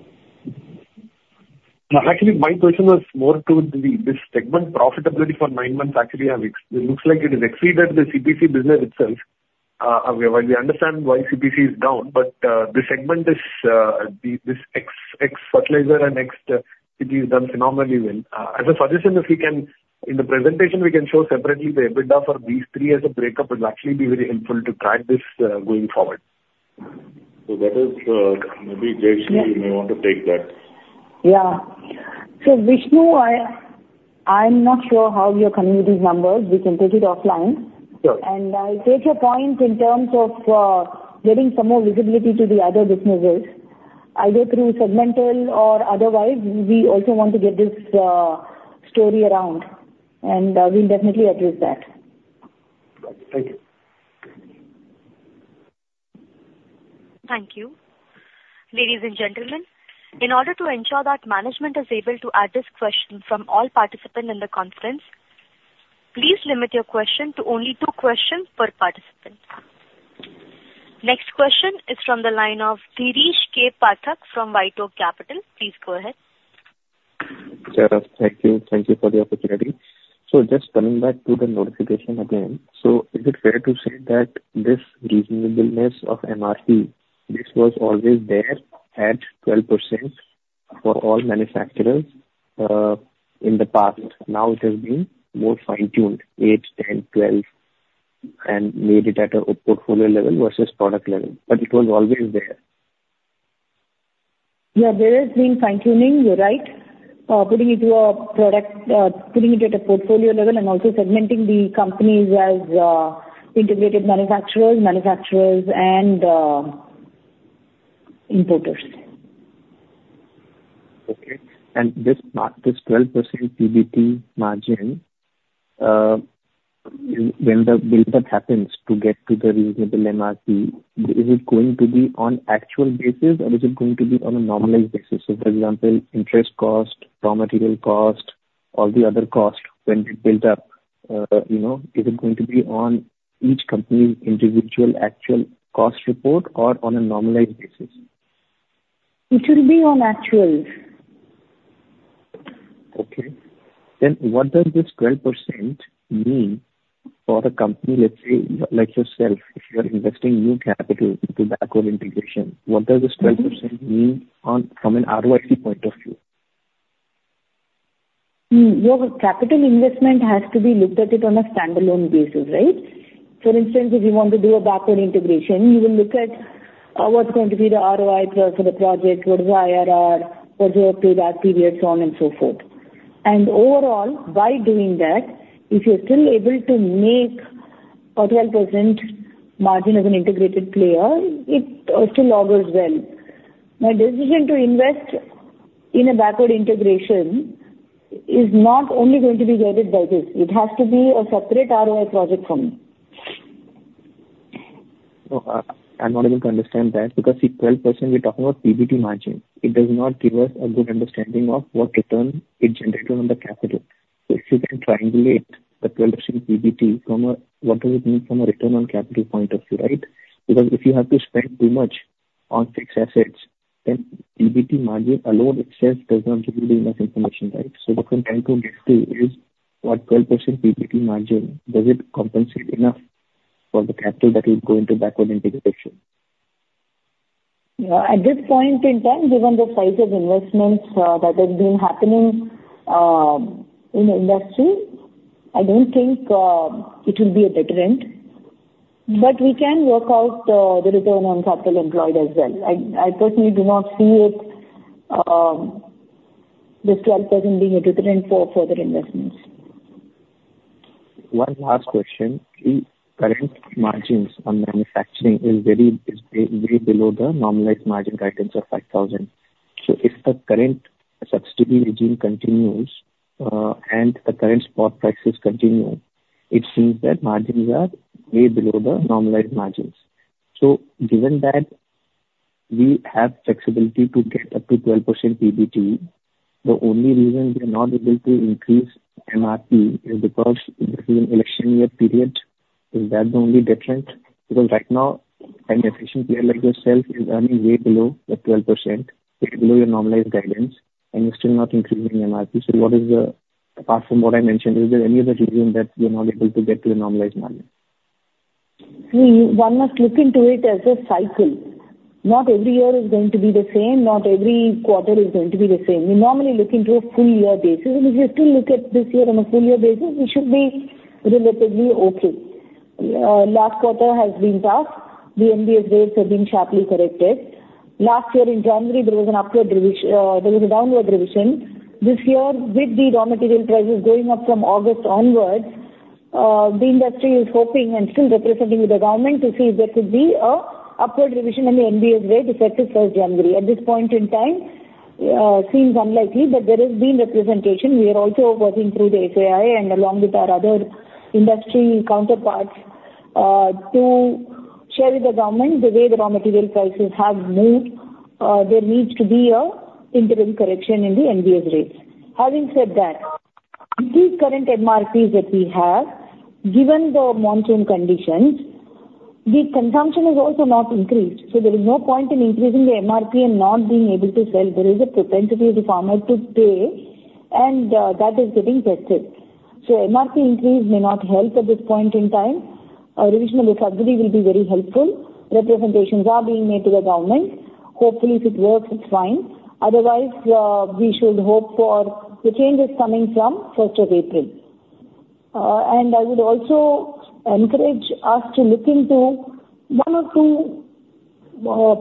[SPEAKER 6] Actually, my question was more to the this segment profitability for nine months. Actually, it have it looks like it has exceeded the CPC business itself. While we understand why CPC is down, but the segment is the this ex ex-fertilizer and ex it has done phenomenally well. As a suggestion, if we can in the presentation we can show separately the EBITDA for these three as a breakup, it will actually be very helpful to track this going forward.
[SPEAKER 7] So that is, maybe Jayashree may want to take that.
[SPEAKER 3] Yeah. So, Vishnu, I, I'm not sure how you're coming with these numbers. We can take it offline.
[SPEAKER 6] Sure.
[SPEAKER 3] I take your point in terms of getting some more visibility to the other businesses, either through segmental or otherwise. We also want to get this story around, and we'll definitely address that.
[SPEAKER 6] Thank you.
[SPEAKER 1] Thank you. Ladies and gentlemen, in order to ensure that management is able to address questions from all participants in the conference, please limit your question to only two questions per participant. Next question is from the line of Dheeresh Pathak from White Oak Capital. Please go ahead.
[SPEAKER 8] Sure. Thank you. Thank you for the opportunity. So just coming back to the notification again. So is it fair to say that this reasonableness of MRP, this was always there at 12% for all manufacturers, in the past? Now it has been more fine-tuned, 8, 10, 12, and made it at a portfolio level versus product level, but it was always there.
[SPEAKER 3] Yeah, there has been fine-tuning, you're right. Putting into a product, putting it at a portfolio level and also segmenting the companies as integrated manufacturers, manufacturers, and importers.
[SPEAKER 8] Okay. This 12% PBT margin, when the build up happens to get to the reasonable MRP, is it going to be on actual basis, or is it going to be on a normalized basis? So, for example, interest cost, raw material cost, all the other costs when we build up, you know, is it going to be on each company's individual actual cost report or on a normalized basis?
[SPEAKER 3] It will be on actual.
[SPEAKER 8] Okay. Then what does this 12% mean for the company? Let's say, like yourself, if you are investing new capital into backward integration, what does this-
[SPEAKER 3] Mm-hmm.
[SPEAKER 8] 12% mean on, from an ROIC point of view?
[SPEAKER 3] Your capital investment has to be looked at it on a standalone basis, right? For instance, if you want to do a backward integration, you will look at what's going to be the ROI for the project, what is the IRR, what's your payback period, so on and so forth. Overall, by doing that, if you're still able to make a 12% margin as an integrated player, it still augurs well. My decision to invest in a backward integration is not only going to be guided by this, it has to be a separate ROI project for me.
[SPEAKER 8] Oh, I'm not able to understand that, because the 12% we're talking about PBT margin, it does not give us a good understanding of what return is generated on the capital. So if you can triangulate the 12% PBT from a, what does it mean from a return on capital point of view, right? Because if you have to spend too much on fixed assets, then PBT margin alone itself does not give you enough information, right? So what I'm trying to get to is, what 12% PBT margin, does it compensate enough for the capital that will go into backward integration?
[SPEAKER 3] Yeah, at this point in time, given the size of investments that have been happening in the industry, I don't think it will be a deterrent. But we can work out the return on capital employed as well. I personally do not see it, this 12% being a deterrent for further investments.
[SPEAKER 8] One last question. The current margins on manufacturing are way, way below the normalized margin guidance of 5,000. So if the current subsidy regime continues and the current spot prices continue, it seems that margins are way below the normalized margins. So given that we have flexibility to get up to 12% PBT, the only reason we are not able to increase MRP is because it is an election year period. Is that the only difference? Because right now, an efficient player like yourself is earning way below the 12%, way below your normalized guidance, and you're still not increasing MRP. So what is the... Apart from what I mentioned, is there any other reason that you're not able to get to a normalized margin?
[SPEAKER 3] See, one must look into it as a cycle. Not every year is going to be the same, not every quarter is going to be the same. We normally look into a full year basis, and if you still look at this year on a full year basis, we should be relatively okay. Last quarter has been tough. The NBS rates have been sharply corrected. Last year in January, there was a downward revision. This year, with the raw material prices going up from August onwards, the industry is hoping and still representing with the government to see if there could be an upward revision on the NBS rate effective from January. At this point in time, seems unlikely, but there has been representation. We are also working through the FAI and along with our other industry counterparts, to share with the government the way the raw material prices have moved. There needs to be an interim correction in the NBS rates. Having said that, these current MRPs that we have, given the monsoon conditions, the consumption has also not increased, so there is no point in increasing the MRP and not being able to sell. There is a propensity of the farmer to pay, and, that is getting affected. So MRP increase may not help at this point in time. A revision of the subsidy will be very helpful. Representations are being made to the government. Hopefully, if it works, it's fine. Otherwise, we should hope for the changes coming from first of April. I would also encourage us to look into one or two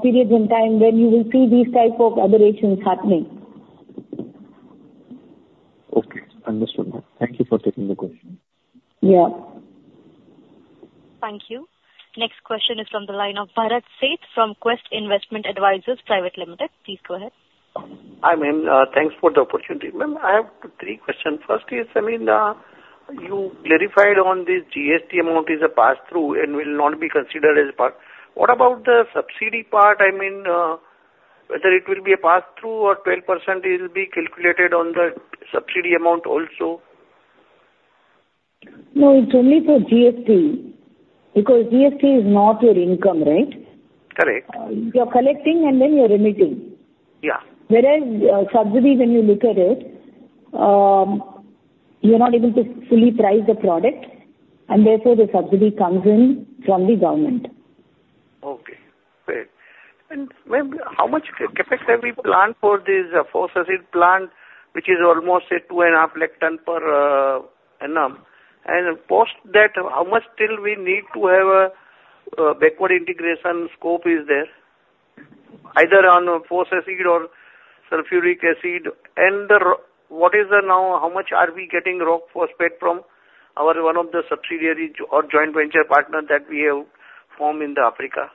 [SPEAKER 3] periods in time when you will see these type of aberrations happening.
[SPEAKER 8] Okay. Understood, ma'am. Thank you for taking the question.
[SPEAKER 3] Yeah.
[SPEAKER 1] Thank you. Next question is from the line of Bharat Sheth from Quest Investment Advisors Private Limited. Please go ahead.
[SPEAKER 9] Hi, ma'am. Thanks for the opportunity. Ma'am, I have 2, 3 questions. First is, I mean, you clarified on this GST amount is a pass-through and will not be considered as part. What about the subsidy part? I mean, whether it will be a pass-through or 12% it will be calculated on the subsidy amount also?
[SPEAKER 3] No, it's only for GST, because GST is not your income, right?
[SPEAKER 9] Correct.
[SPEAKER 3] You're collecting and then you're remitting.
[SPEAKER 9] Yeah.
[SPEAKER 3] Whereas, subsidy, when you look at it, you're not able to fully price the product, and therefore, the subsidy comes in from the government.
[SPEAKER 9] Okay, great. Ma'am, how much capacity have we planned for this phosphoric plant, which is almost at 250,000 tons per annum? Post that, how much still we need to have a backward integration scope is there, either on phosphoric or sulfuric acid? What is now, how much are we getting rock phosphate from our one of the subsidiary or joint venture partner that we have formed in Africa?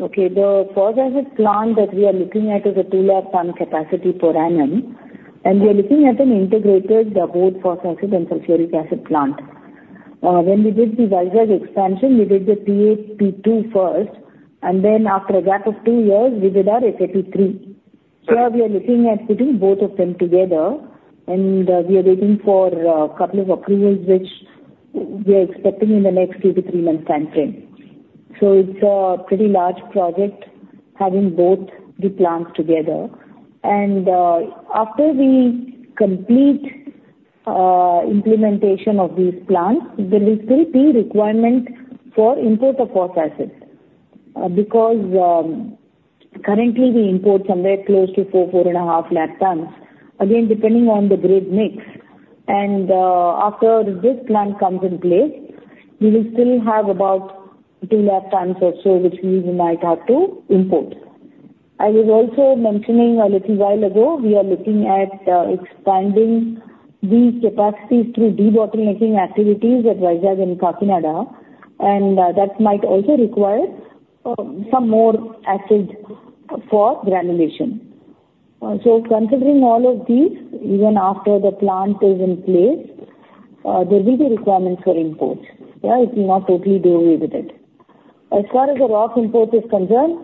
[SPEAKER 3] Okay. The phosphoric plant that we are looking at is a 200,000-ton capacity per annum, and we are looking at an integrated, both phosphoric and sulfuric acid plant. When we did the Vizag expansion, we did the PA, P2O5 first, and then after a gap of 2 years, we did our SAP 3. So we are looking at putting both of them together, and we are waiting for a couple of approvals, which we are expecting in the next 2-3 months timeframe. So it's a pretty large project, having both the plants together. And after we complete implementation of these plants, there will still be requirement for import of phosphate. Because currently we import somewhere close to 400,000-450,000 tons, again, depending on the grade mix. After this plant comes in place, we will still have about 200,000 tons or so, which we might have to import. I was also mentioning a little while ago, we are looking at expanding these capacities through debottlenecking activities at Vizag and Kakinada, and that might also require some more acid for granulation. So considering all of these, even after the plant is in place, there will be requirements for imports. Yeah, it will not totally do away with it. As far as the rock import is concerned,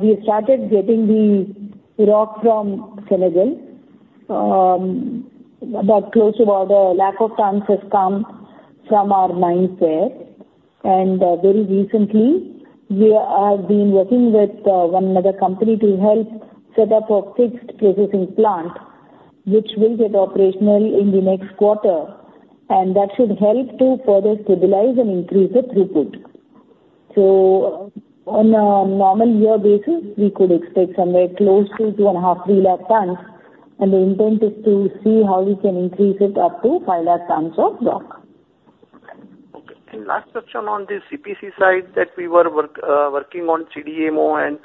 [SPEAKER 3] we have started getting the rock from Senegal. About close to about 100,000 tons has come from our mines there. Very recently, we have been working with one another company to help set up a fixed processing plant, which will get operational in the next quarter, and that should help to further stabilize and increase the throughput. On a normal year basis, we could expect somewhere close to 2.5-3 lakh tons, and the intent is to see how we can increase it up to 5 lakh tons of rock.
[SPEAKER 10] Okay. And last question on the CPC side, that we were working on CDMO. And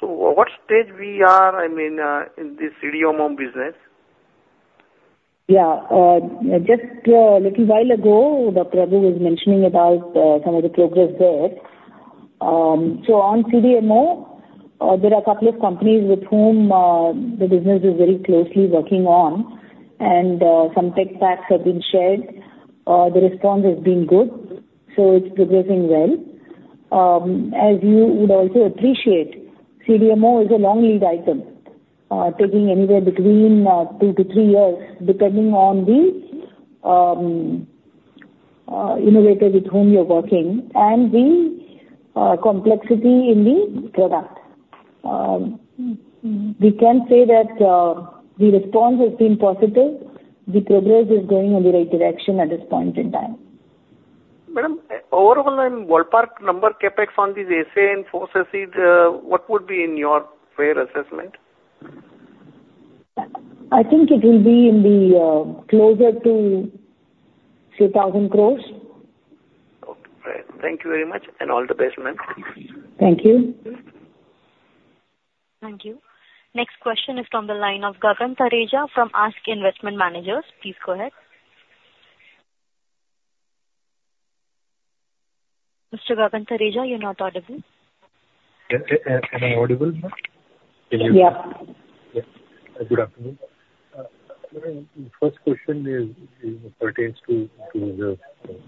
[SPEAKER 10] so what stage we are, I mean, in this CDMO business?
[SPEAKER 3] Yeah. Just a little while ago, Dr. Raghu was mentioning about some of the progress there. So on CDMO, there are a couple of companies with whom the business is very closely working on, and some tech packs have been shared. The response has been good, so it's progressing well. As you would also appreciate, CDMO is a long lead item, taking anywhere between two to three years, depending on the innovator with whom you're working and the complexity in the product. We can say that the response has been positive. The progress is going in the right direction at this point in time.
[SPEAKER 10] Madam, overall, in ballpark, number CapEx on this PA-SA and phosphates, what would be in your fair assessment?
[SPEAKER 3] I think it will be in the closer to 2,000 crore.
[SPEAKER 10] Okay, great. Thank you very much, and all the best, ma'am.
[SPEAKER 3] Thank you.
[SPEAKER 1] Thank you. Next question is from the line of Gagan Thareja from ASK Investment Managers. Please go ahead. Mr. Gagan Thareja, you're not audible.
[SPEAKER 10] Am I audible now? Can you-
[SPEAKER 3] Yeah.
[SPEAKER 10] Yes. Good afternoon. First question is, pertains to the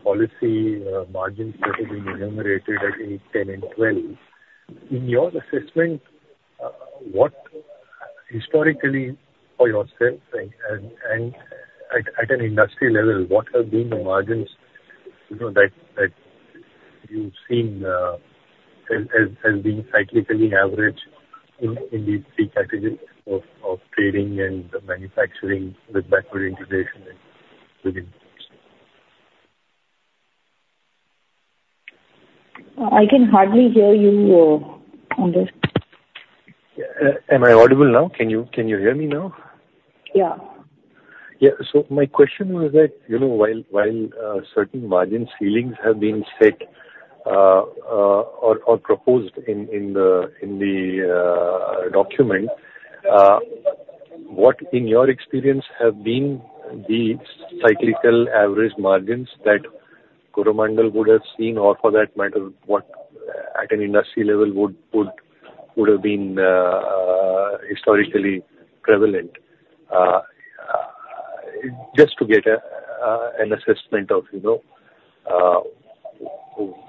[SPEAKER 10] policy margins that have been enumerated, I think, 10 and 12. In your assessment, what historically for yourself and at an industry level, what have been the margins, you know, that you've seen as being cyclically average in these three categories of trading and manufacturing with backward integration and within?
[SPEAKER 3] I can hardly hear you on this.
[SPEAKER 10] Am I audible now? Can you, can you hear me now?
[SPEAKER 3] Yeah.
[SPEAKER 10] Yeah. So my question was that, you know, while certain margin ceilings have been set, or proposed in the document, what in your experience have been the cyclical average margins that Coromandel would have seen, or for that matter, what at an industry level would have been historically prevalent? Just to get an assessment of, you know,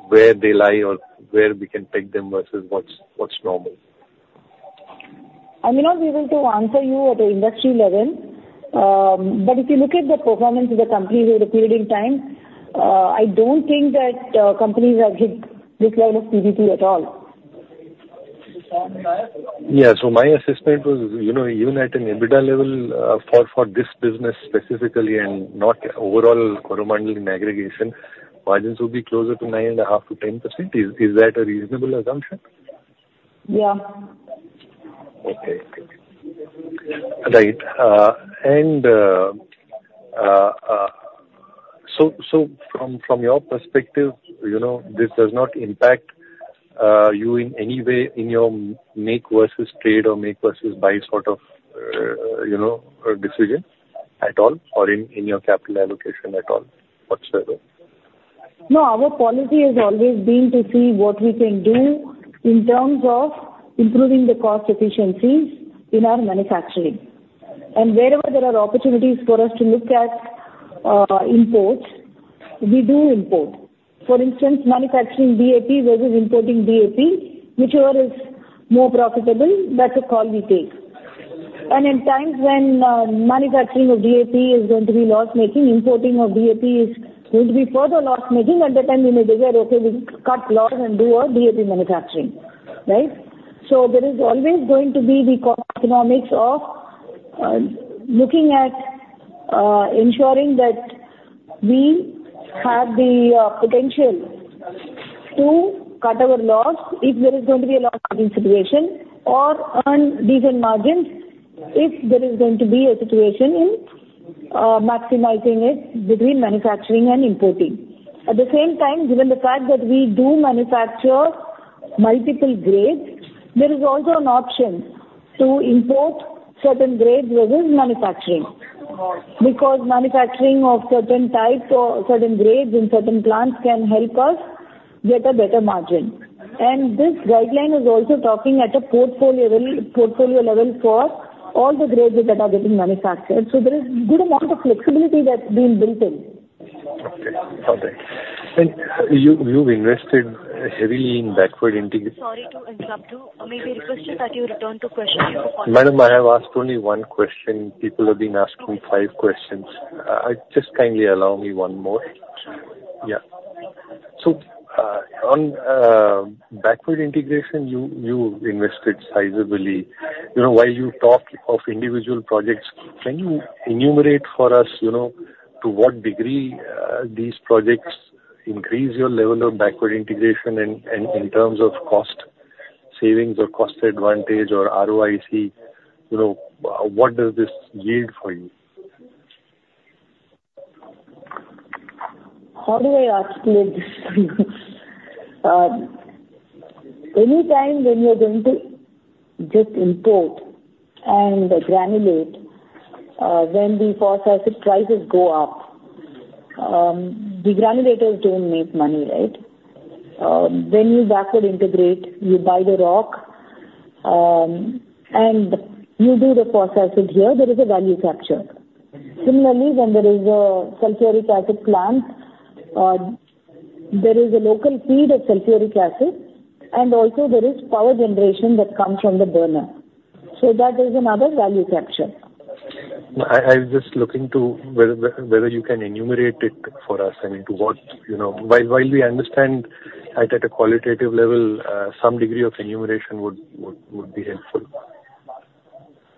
[SPEAKER 10] where they lie or where we can peg them versus what's normal.
[SPEAKER 3] I may not be able to answer you at the industry level, but if you look at the performance of the company over a period in time, I don't think that companies have hit this line of cap at all.
[SPEAKER 10] Yeah. So my assessment was, you know, even at an EBITDA level, for this business specifically and not overall Coromandel in aggregation, margins will be closer to 9.5%-10%. Is that a reasonable assumption?
[SPEAKER 3] Yeah.
[SPEAKER 10] Okay. Okay. Right. And so from your perspective, you know, this does not impact you in any way in your make versus trade or make versus buy sort of, you know, decision at all or in your capital allocation at all, whatsoever?
[SPEAKER 3] No, our policy has always been to see what we can do in terms of improving the cost efficiencies in our manufacturing, and wherever there are opportunities for us to look at import, we do import. For instance, manufacturing DAP versus importing DAP, whichever is more profitable, that's a call we take. And in times when manufacturing of DAP is going to be loss-making, importing of DAP is going to be further loss-making, at that time we may decide, okay, we cut loss and do our DAP manufacturing, right? So there is always going to be the economics of looking at ensuring that we have the potential to cut our loss if there is going to be a loss-cutting situation, or earn decent margins if there is going to be a situation in maximizing it between manufacturing and importing. At the same time, given the fact that we do manufacture multiple grades, there is also an option to import certain grades versus manufacturing. Because manufacturing of certain types or certain grades in certain plants can help us get a better margin. This guideline is also talking at a portfolio level, portfolio level for all the grades that are getting manufactured, so there is good amount of flexibility that's been built in.
[SPEAKER 10] Okay. Got it. And you, you've invested heavily in backward integra-
[SPEAKER 1] Sorry to interrupt you. May we request you that you return to question?
[SPEAKER 10] Madam, I have asked only one question. People have been asking five questions. Just kindly allow me one more. Yeah. So, on backward integration, you invested sizably. You know, while you talked of individual projects, can you enumerate for us, you know, to what degree these projects increase your level of backward integration in terms of cost savings or cost advantage or ROIC, you know, what does this yield for you?
[SPEAKER 3] How do I articulate this? Anytime when you are going to just import and granulate, when the phosphoric prices go up, the granulators don't make money, right? When you backward integrate, you buy the rock, and you do the processing here, there is a value capture. Similarly, when there is a sulfuric acid plant, there is a local feed of sulfuric acid, and also there is power generation that comes from the burner. So that is another value capture.
[SPEAKER 10] I was just looking to whether you can enumerate it for us. I mean, to what... You know, while we understand at a qualitative level, some degree of enumeration would be helpful.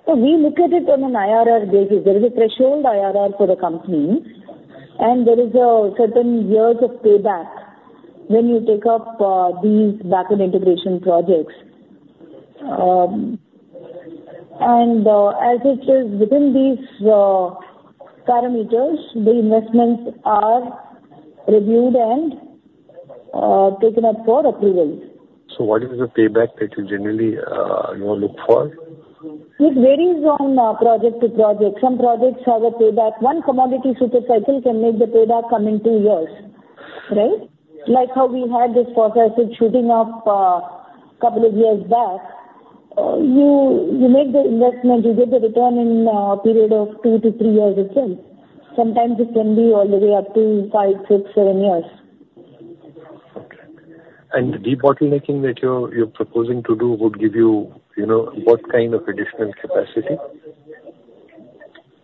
[SPEAKER 3] So we look at it on an IRR basis. There is a threshold IRR for the company, and there is a certain years of payback when you take up these backward integration projects. As it is within these parameters, the investments are reviewed and taken up for approval.
[SPEAKER 10] What is the payback that you generally, you look for?
[SPEAKER 3] It varies on, project to project. Some projects have a payback... One commodity super cycle can make the payback come in 2 years, right? Like how we had this phosphoric shooting up, couple of years back. You, you make the investment, you get the return in, period of 2-3 years itself. Sometimes it can be all the way up to 5, 6, 7 years.
[SPEAKER 10] Okay. And the debottlenecking that you're proposing to do would give you, you know, what kind of additional capacity?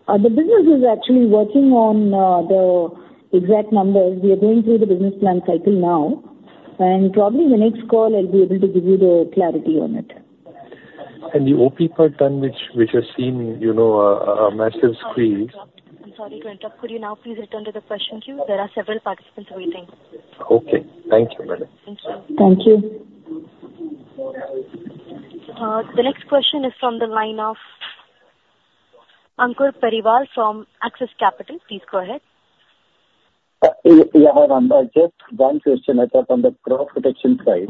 [SPEAKER 3] The business is actually working on the exact numbers. We are going through the business plan cycle now, and probably the next call I'll be able to give you the clarity on it.
[SPEAKER 10] The OP per ton, which has seen, you know, a massive squeeze-
[SPEAKER 1] I'm sorry to interrupt. Could you now please return to the question queue? There are several participants waiting.
[SPEAKER 10] Okay. Thank you, madam.
[SPEAKER 3] Thank you.
[SPEAKER 1] The next question is from the line of Ankur Periwal from Axis Capital. Please go ahead.
[SPEAKER 2] Yeah, just one question, I thought, on the crop protection side.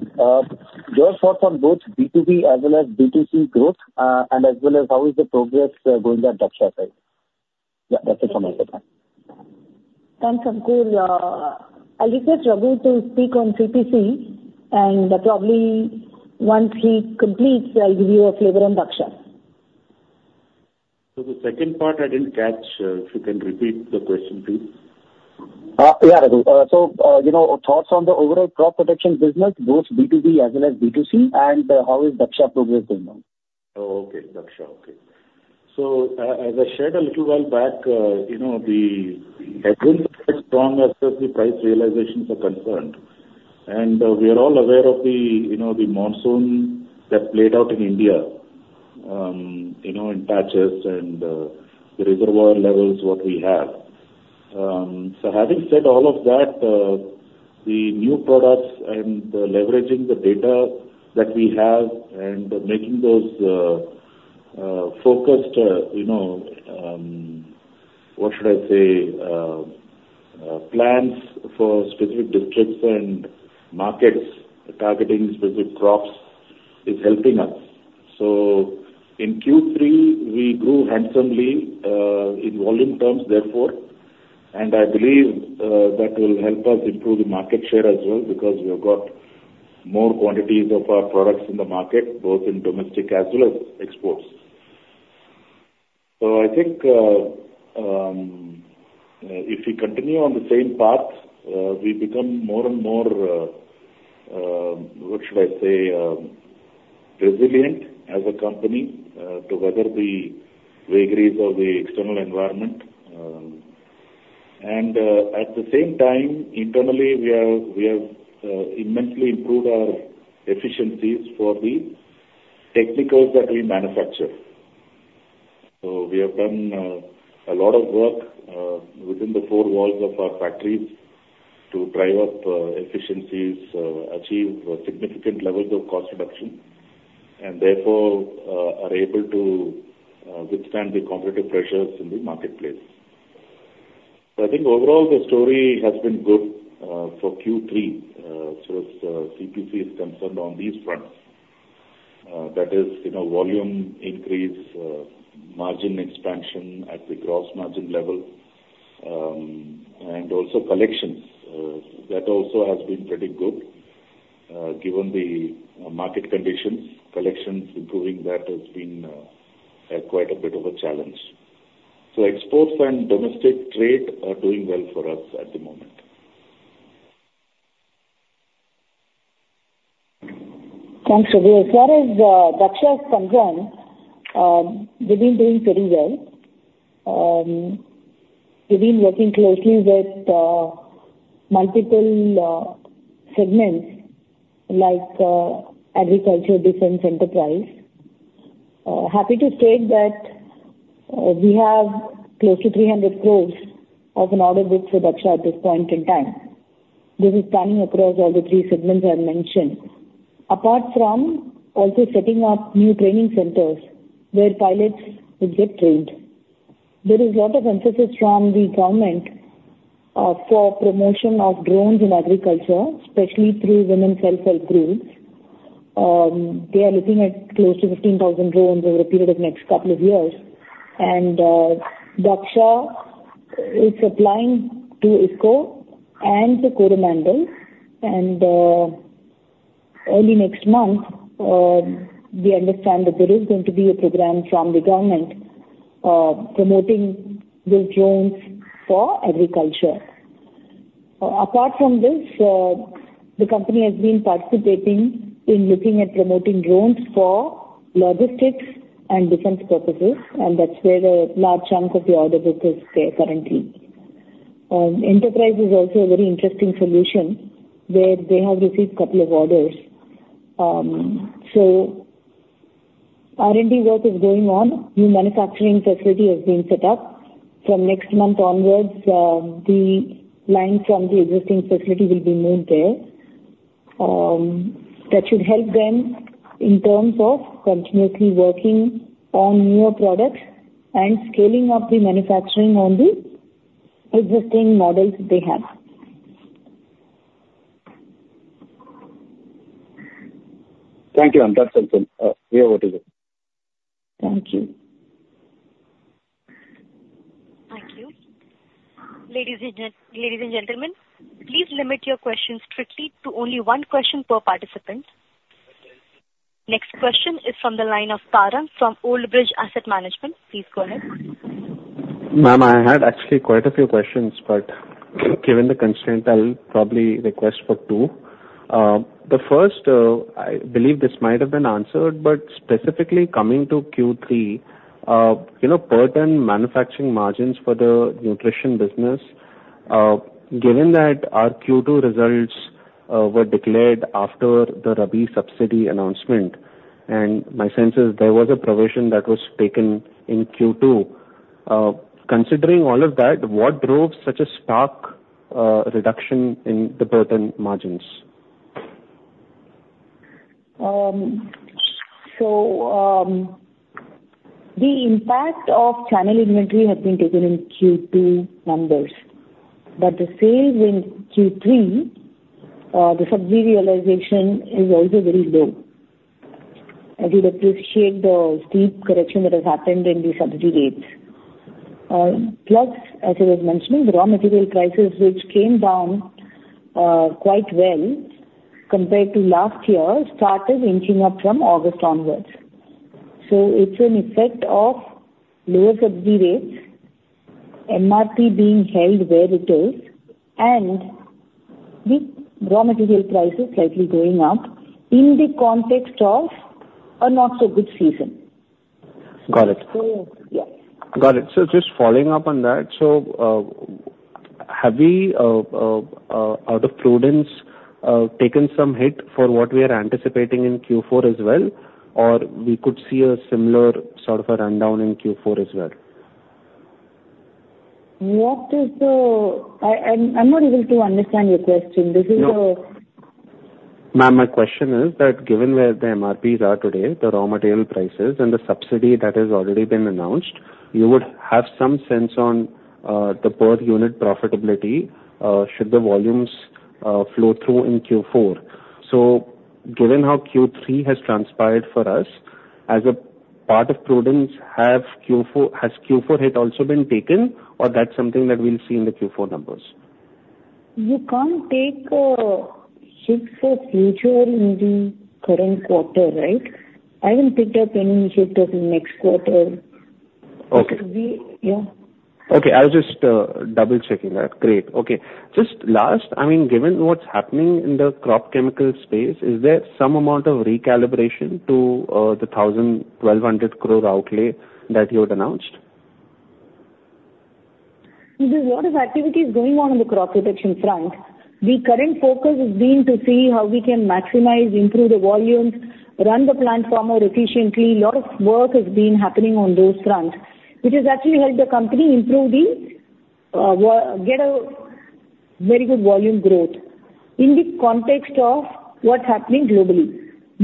[SPEAKER 2] Your thoughts on both B2B as well as B2C growth, and as well as how is the progress going on Dhaksha side? Yeah, that's it from my side.
[SPEAKER 3] Thanks, Ankur. I'll request Raghu to speak on B2C, and probably once he completes, I'll give you a flavor on Dhaksha.
[SPEAKER 7] So the second part I didn't catch. If you can repeat the question, please.
[SPEAKER 2] Yeah, Raghu. So, you know, thoughts on the overall crop protection business, both B2B as well as B2C, and how is Dhaksha progressing now?
[SPEAKER 7] Oh, okay. Dhaksha, okay. So, as I shared a little while back, you know, the strong as the price realizations are concerned. And, we are all aware of the, you know, the monsoon that played out in India, you know, in patches and, the reservoir levels, what we have. So having said all of that, the new products and leveraging the data that we have and making those, focused, you know, what should I say? plans for specific districts and markets, targeting specific crops, is helping us. So in Q3, we grew handsomely, in volume terms, therefore, and I believe, that will help us improve the market share as well, because we have got-... more quantities of our products in the market, both in domestic as well as exports. So I think, if we continue on the same path, we become more and more, what should I say? resilient as a company, to weather the vagaries of the external environment. And at the same time, internally, we have immensely improved our efficiencies for the technicals that we manufacture. So we have done a lot of work within the four walls of our factories to drive up efficiencies, achieve significant levels of cost reduction, and therefore, are able to withstand the competitive pressures in the marketplace. So I think overall, the story has been good for Q3, so as CPC is concerned on these fronts. That is, you know, volume increase, margin expansion at the gross margin level, and also collections. That also has been pretty good, given the market conditions, collections improving, that has been quite a bit of a challenge. So exports and domestic trade are doing well for us at the moment.
[SPEAKER 3] Thanks, Raghu. As far as Dhaksha is concerned, we've been doing pretty well. We've been working closely with multiple segments like agriculture, defense, enterprise. Happy to state that we have close to 300 crore of an order book for Dhaksha at this point in time. This is spanning across all the three segments I have mentioned. Apart from also setting up new training centers where pilots will get trained, there is a lot of emphasis from the government for promotion of drones in agriculture, especially through women self-help groups. They are looking at close to 15,000 drones over a period of next couple of years, and Dhaksha is supplying to IFFCO and the Coromandel. Early next month, we understand that there is going to be a program from the government promoting these drones for agriculture. Apart from this, the company has been participating in looking at promoting drones for logistics and defense purposes, and that's where a large chunk of the order book is there currently. Enterprise is also a very interesting solution, where they have received couple of orders. So R&D work is going on, new manufacturing facility has been set up. From next month onwards, the line from the existing facility will be moved there. That should help them in terms of continuously working on newer products and scaling up the manufacturing on the existing models they have.
[SPEAKER 7] Thank you, ma'am. That's helpful. We over to you.
[SPEAKER 3] Thank you.
[SPEAKER 1] Thank you. Ladies and gentlemen, please limit your questions strictly to only one question per participant. Next question is from the line of Tarun from Old Bridge Asset Management. Please go ahead.
[SPEAKER 11] Ma'am, I had actually quite a few questions, but given the constraint, I'll probably request for two. The first, I believe this might have been answered, but specifically coming to Q3, you know, per ton manufacturing margins for the nutrition business, given that our Q2 results were declared after the Rabi subsidy announcement, and my sense is there was a provision that was taken in Q2. Considering all of that, what drove such a stark reduction in the per ton margins?
[SPEAKER 3] So, the impact of channel inventory has been taken in Q2 numbers, but the sales in Q3, the subsidy realization is also very low, as you'd appreciate the steep correction that has happened in the subsidy rates. Plus, as I was mentioning, the raw material prices, which came down quite well compared to last year, started inching up from August onwards. So it's an effect of lower subsidy rates, MRP being held where it is, and the raw material prices slightly going up in the context of a not-so-good season.
[SPEAKER 11] Got it.
[SPEAKER 3] So, yeah.
[SPEAKER 11] Got it. So just following up on that: so, have we, out of prudence, taken some hit for what we are anticipating in Q4 as well, or we could see a similar sort of a rundown in Q4 as well?
[SPEAKER 3] What is the... I'm not able to understand your question. This is,
[SPEAKER 11] Ma'am, my question is that given where the MRPs are today, the raw material prices and the subsidy that has already been announced, you would have some sense on the per unit profitability, should the volumes flow through in Q4. So given how Q3 has transpired for us. As a part of prudence, have Q4, has Q4 hit also been taken, or that's something that we'll see in the Q4 numbers?
[SPEAKER 3] You can't take a hit for future in the current quarter, right? I haven't picked up any hit of the next quarter.
[SPEAKER 11] Okay.
[SPEAKER 3] We-- Yeah.
[SPEAKER 11] Okay, I was just double checking that. Great. Okay. Just last, I mean, given what's happening in the crop chemical space, is there some amount of recalibration to the 1,200 crore outlay that you had announced?
[SPEAKER 3] There's a lot of activities going on in the crop protection front. The current focus has been to see how we can maximize, improve the volumes, run the platform more efficiently. A lot of work has been happening on those fronts, which has actually helped the company improve the, get a very good volume growth. In the context of what's happening globally,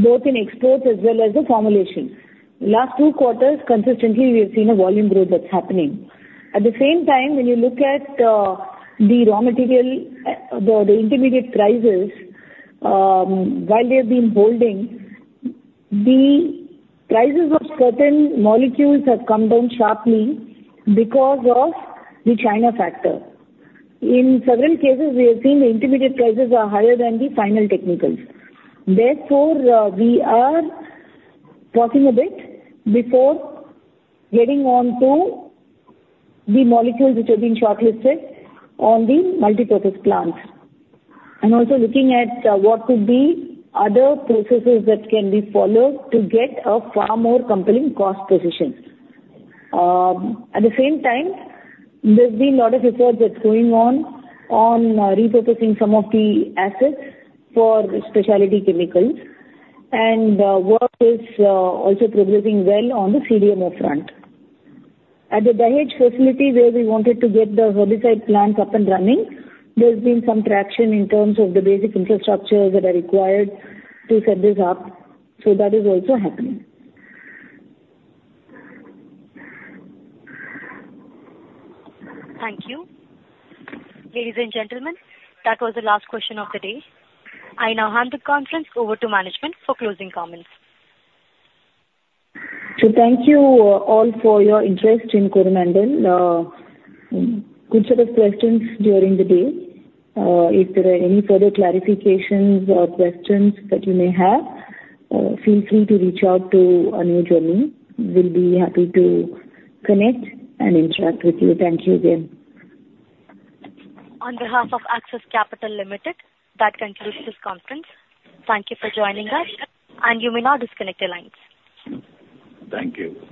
[SPEAKER 3] both in exports as well as the formulation. Last two quarters, consistently, we have seen a volume growth that's happening. At the same time, when you look at, the raw material, the, the intermediate prices, while they have been holding, the prices of certain molecules have come down sharply because of the China factor. In several cases, we have seen the intermediate prices are higher than the final technicals. Therefore, we are talking a bit before getting on to the molecules which have been shortlisted on the multipurpose plants, and also looking at what could be other processes that can be followed to get a far more compelling cost position. At the same time, there's been a lot of research that's going on on repurposing some of the assets for specialty chemicals, and work is also progressing well on the CDMO front. At the Dahej facility, where we wanted to get the herbicide plant up and running, there has been some traction in terms of the basic infrastructures that are required to set this up, so that is also happening.
[SPEAKER 1] Thank you. Ladies and gentlemen, that was the last question of the day. I now hand the conference over to management for closing comments.
[SPEAKER 3] Thank you, all for your interest in Coromandel. Good set of questions during the day. If there are any further clarifications or questions that you may have, feel free to reach out to Anoop or me. We'll be happy to connect and interact with you. Thank you again.
[SPEAKER 1] On behalf of Axis Capital Limited, that concludes this conference. Thank you for joining us, and you may now disconnect your lines.
[SPEAKER 11] Thank you.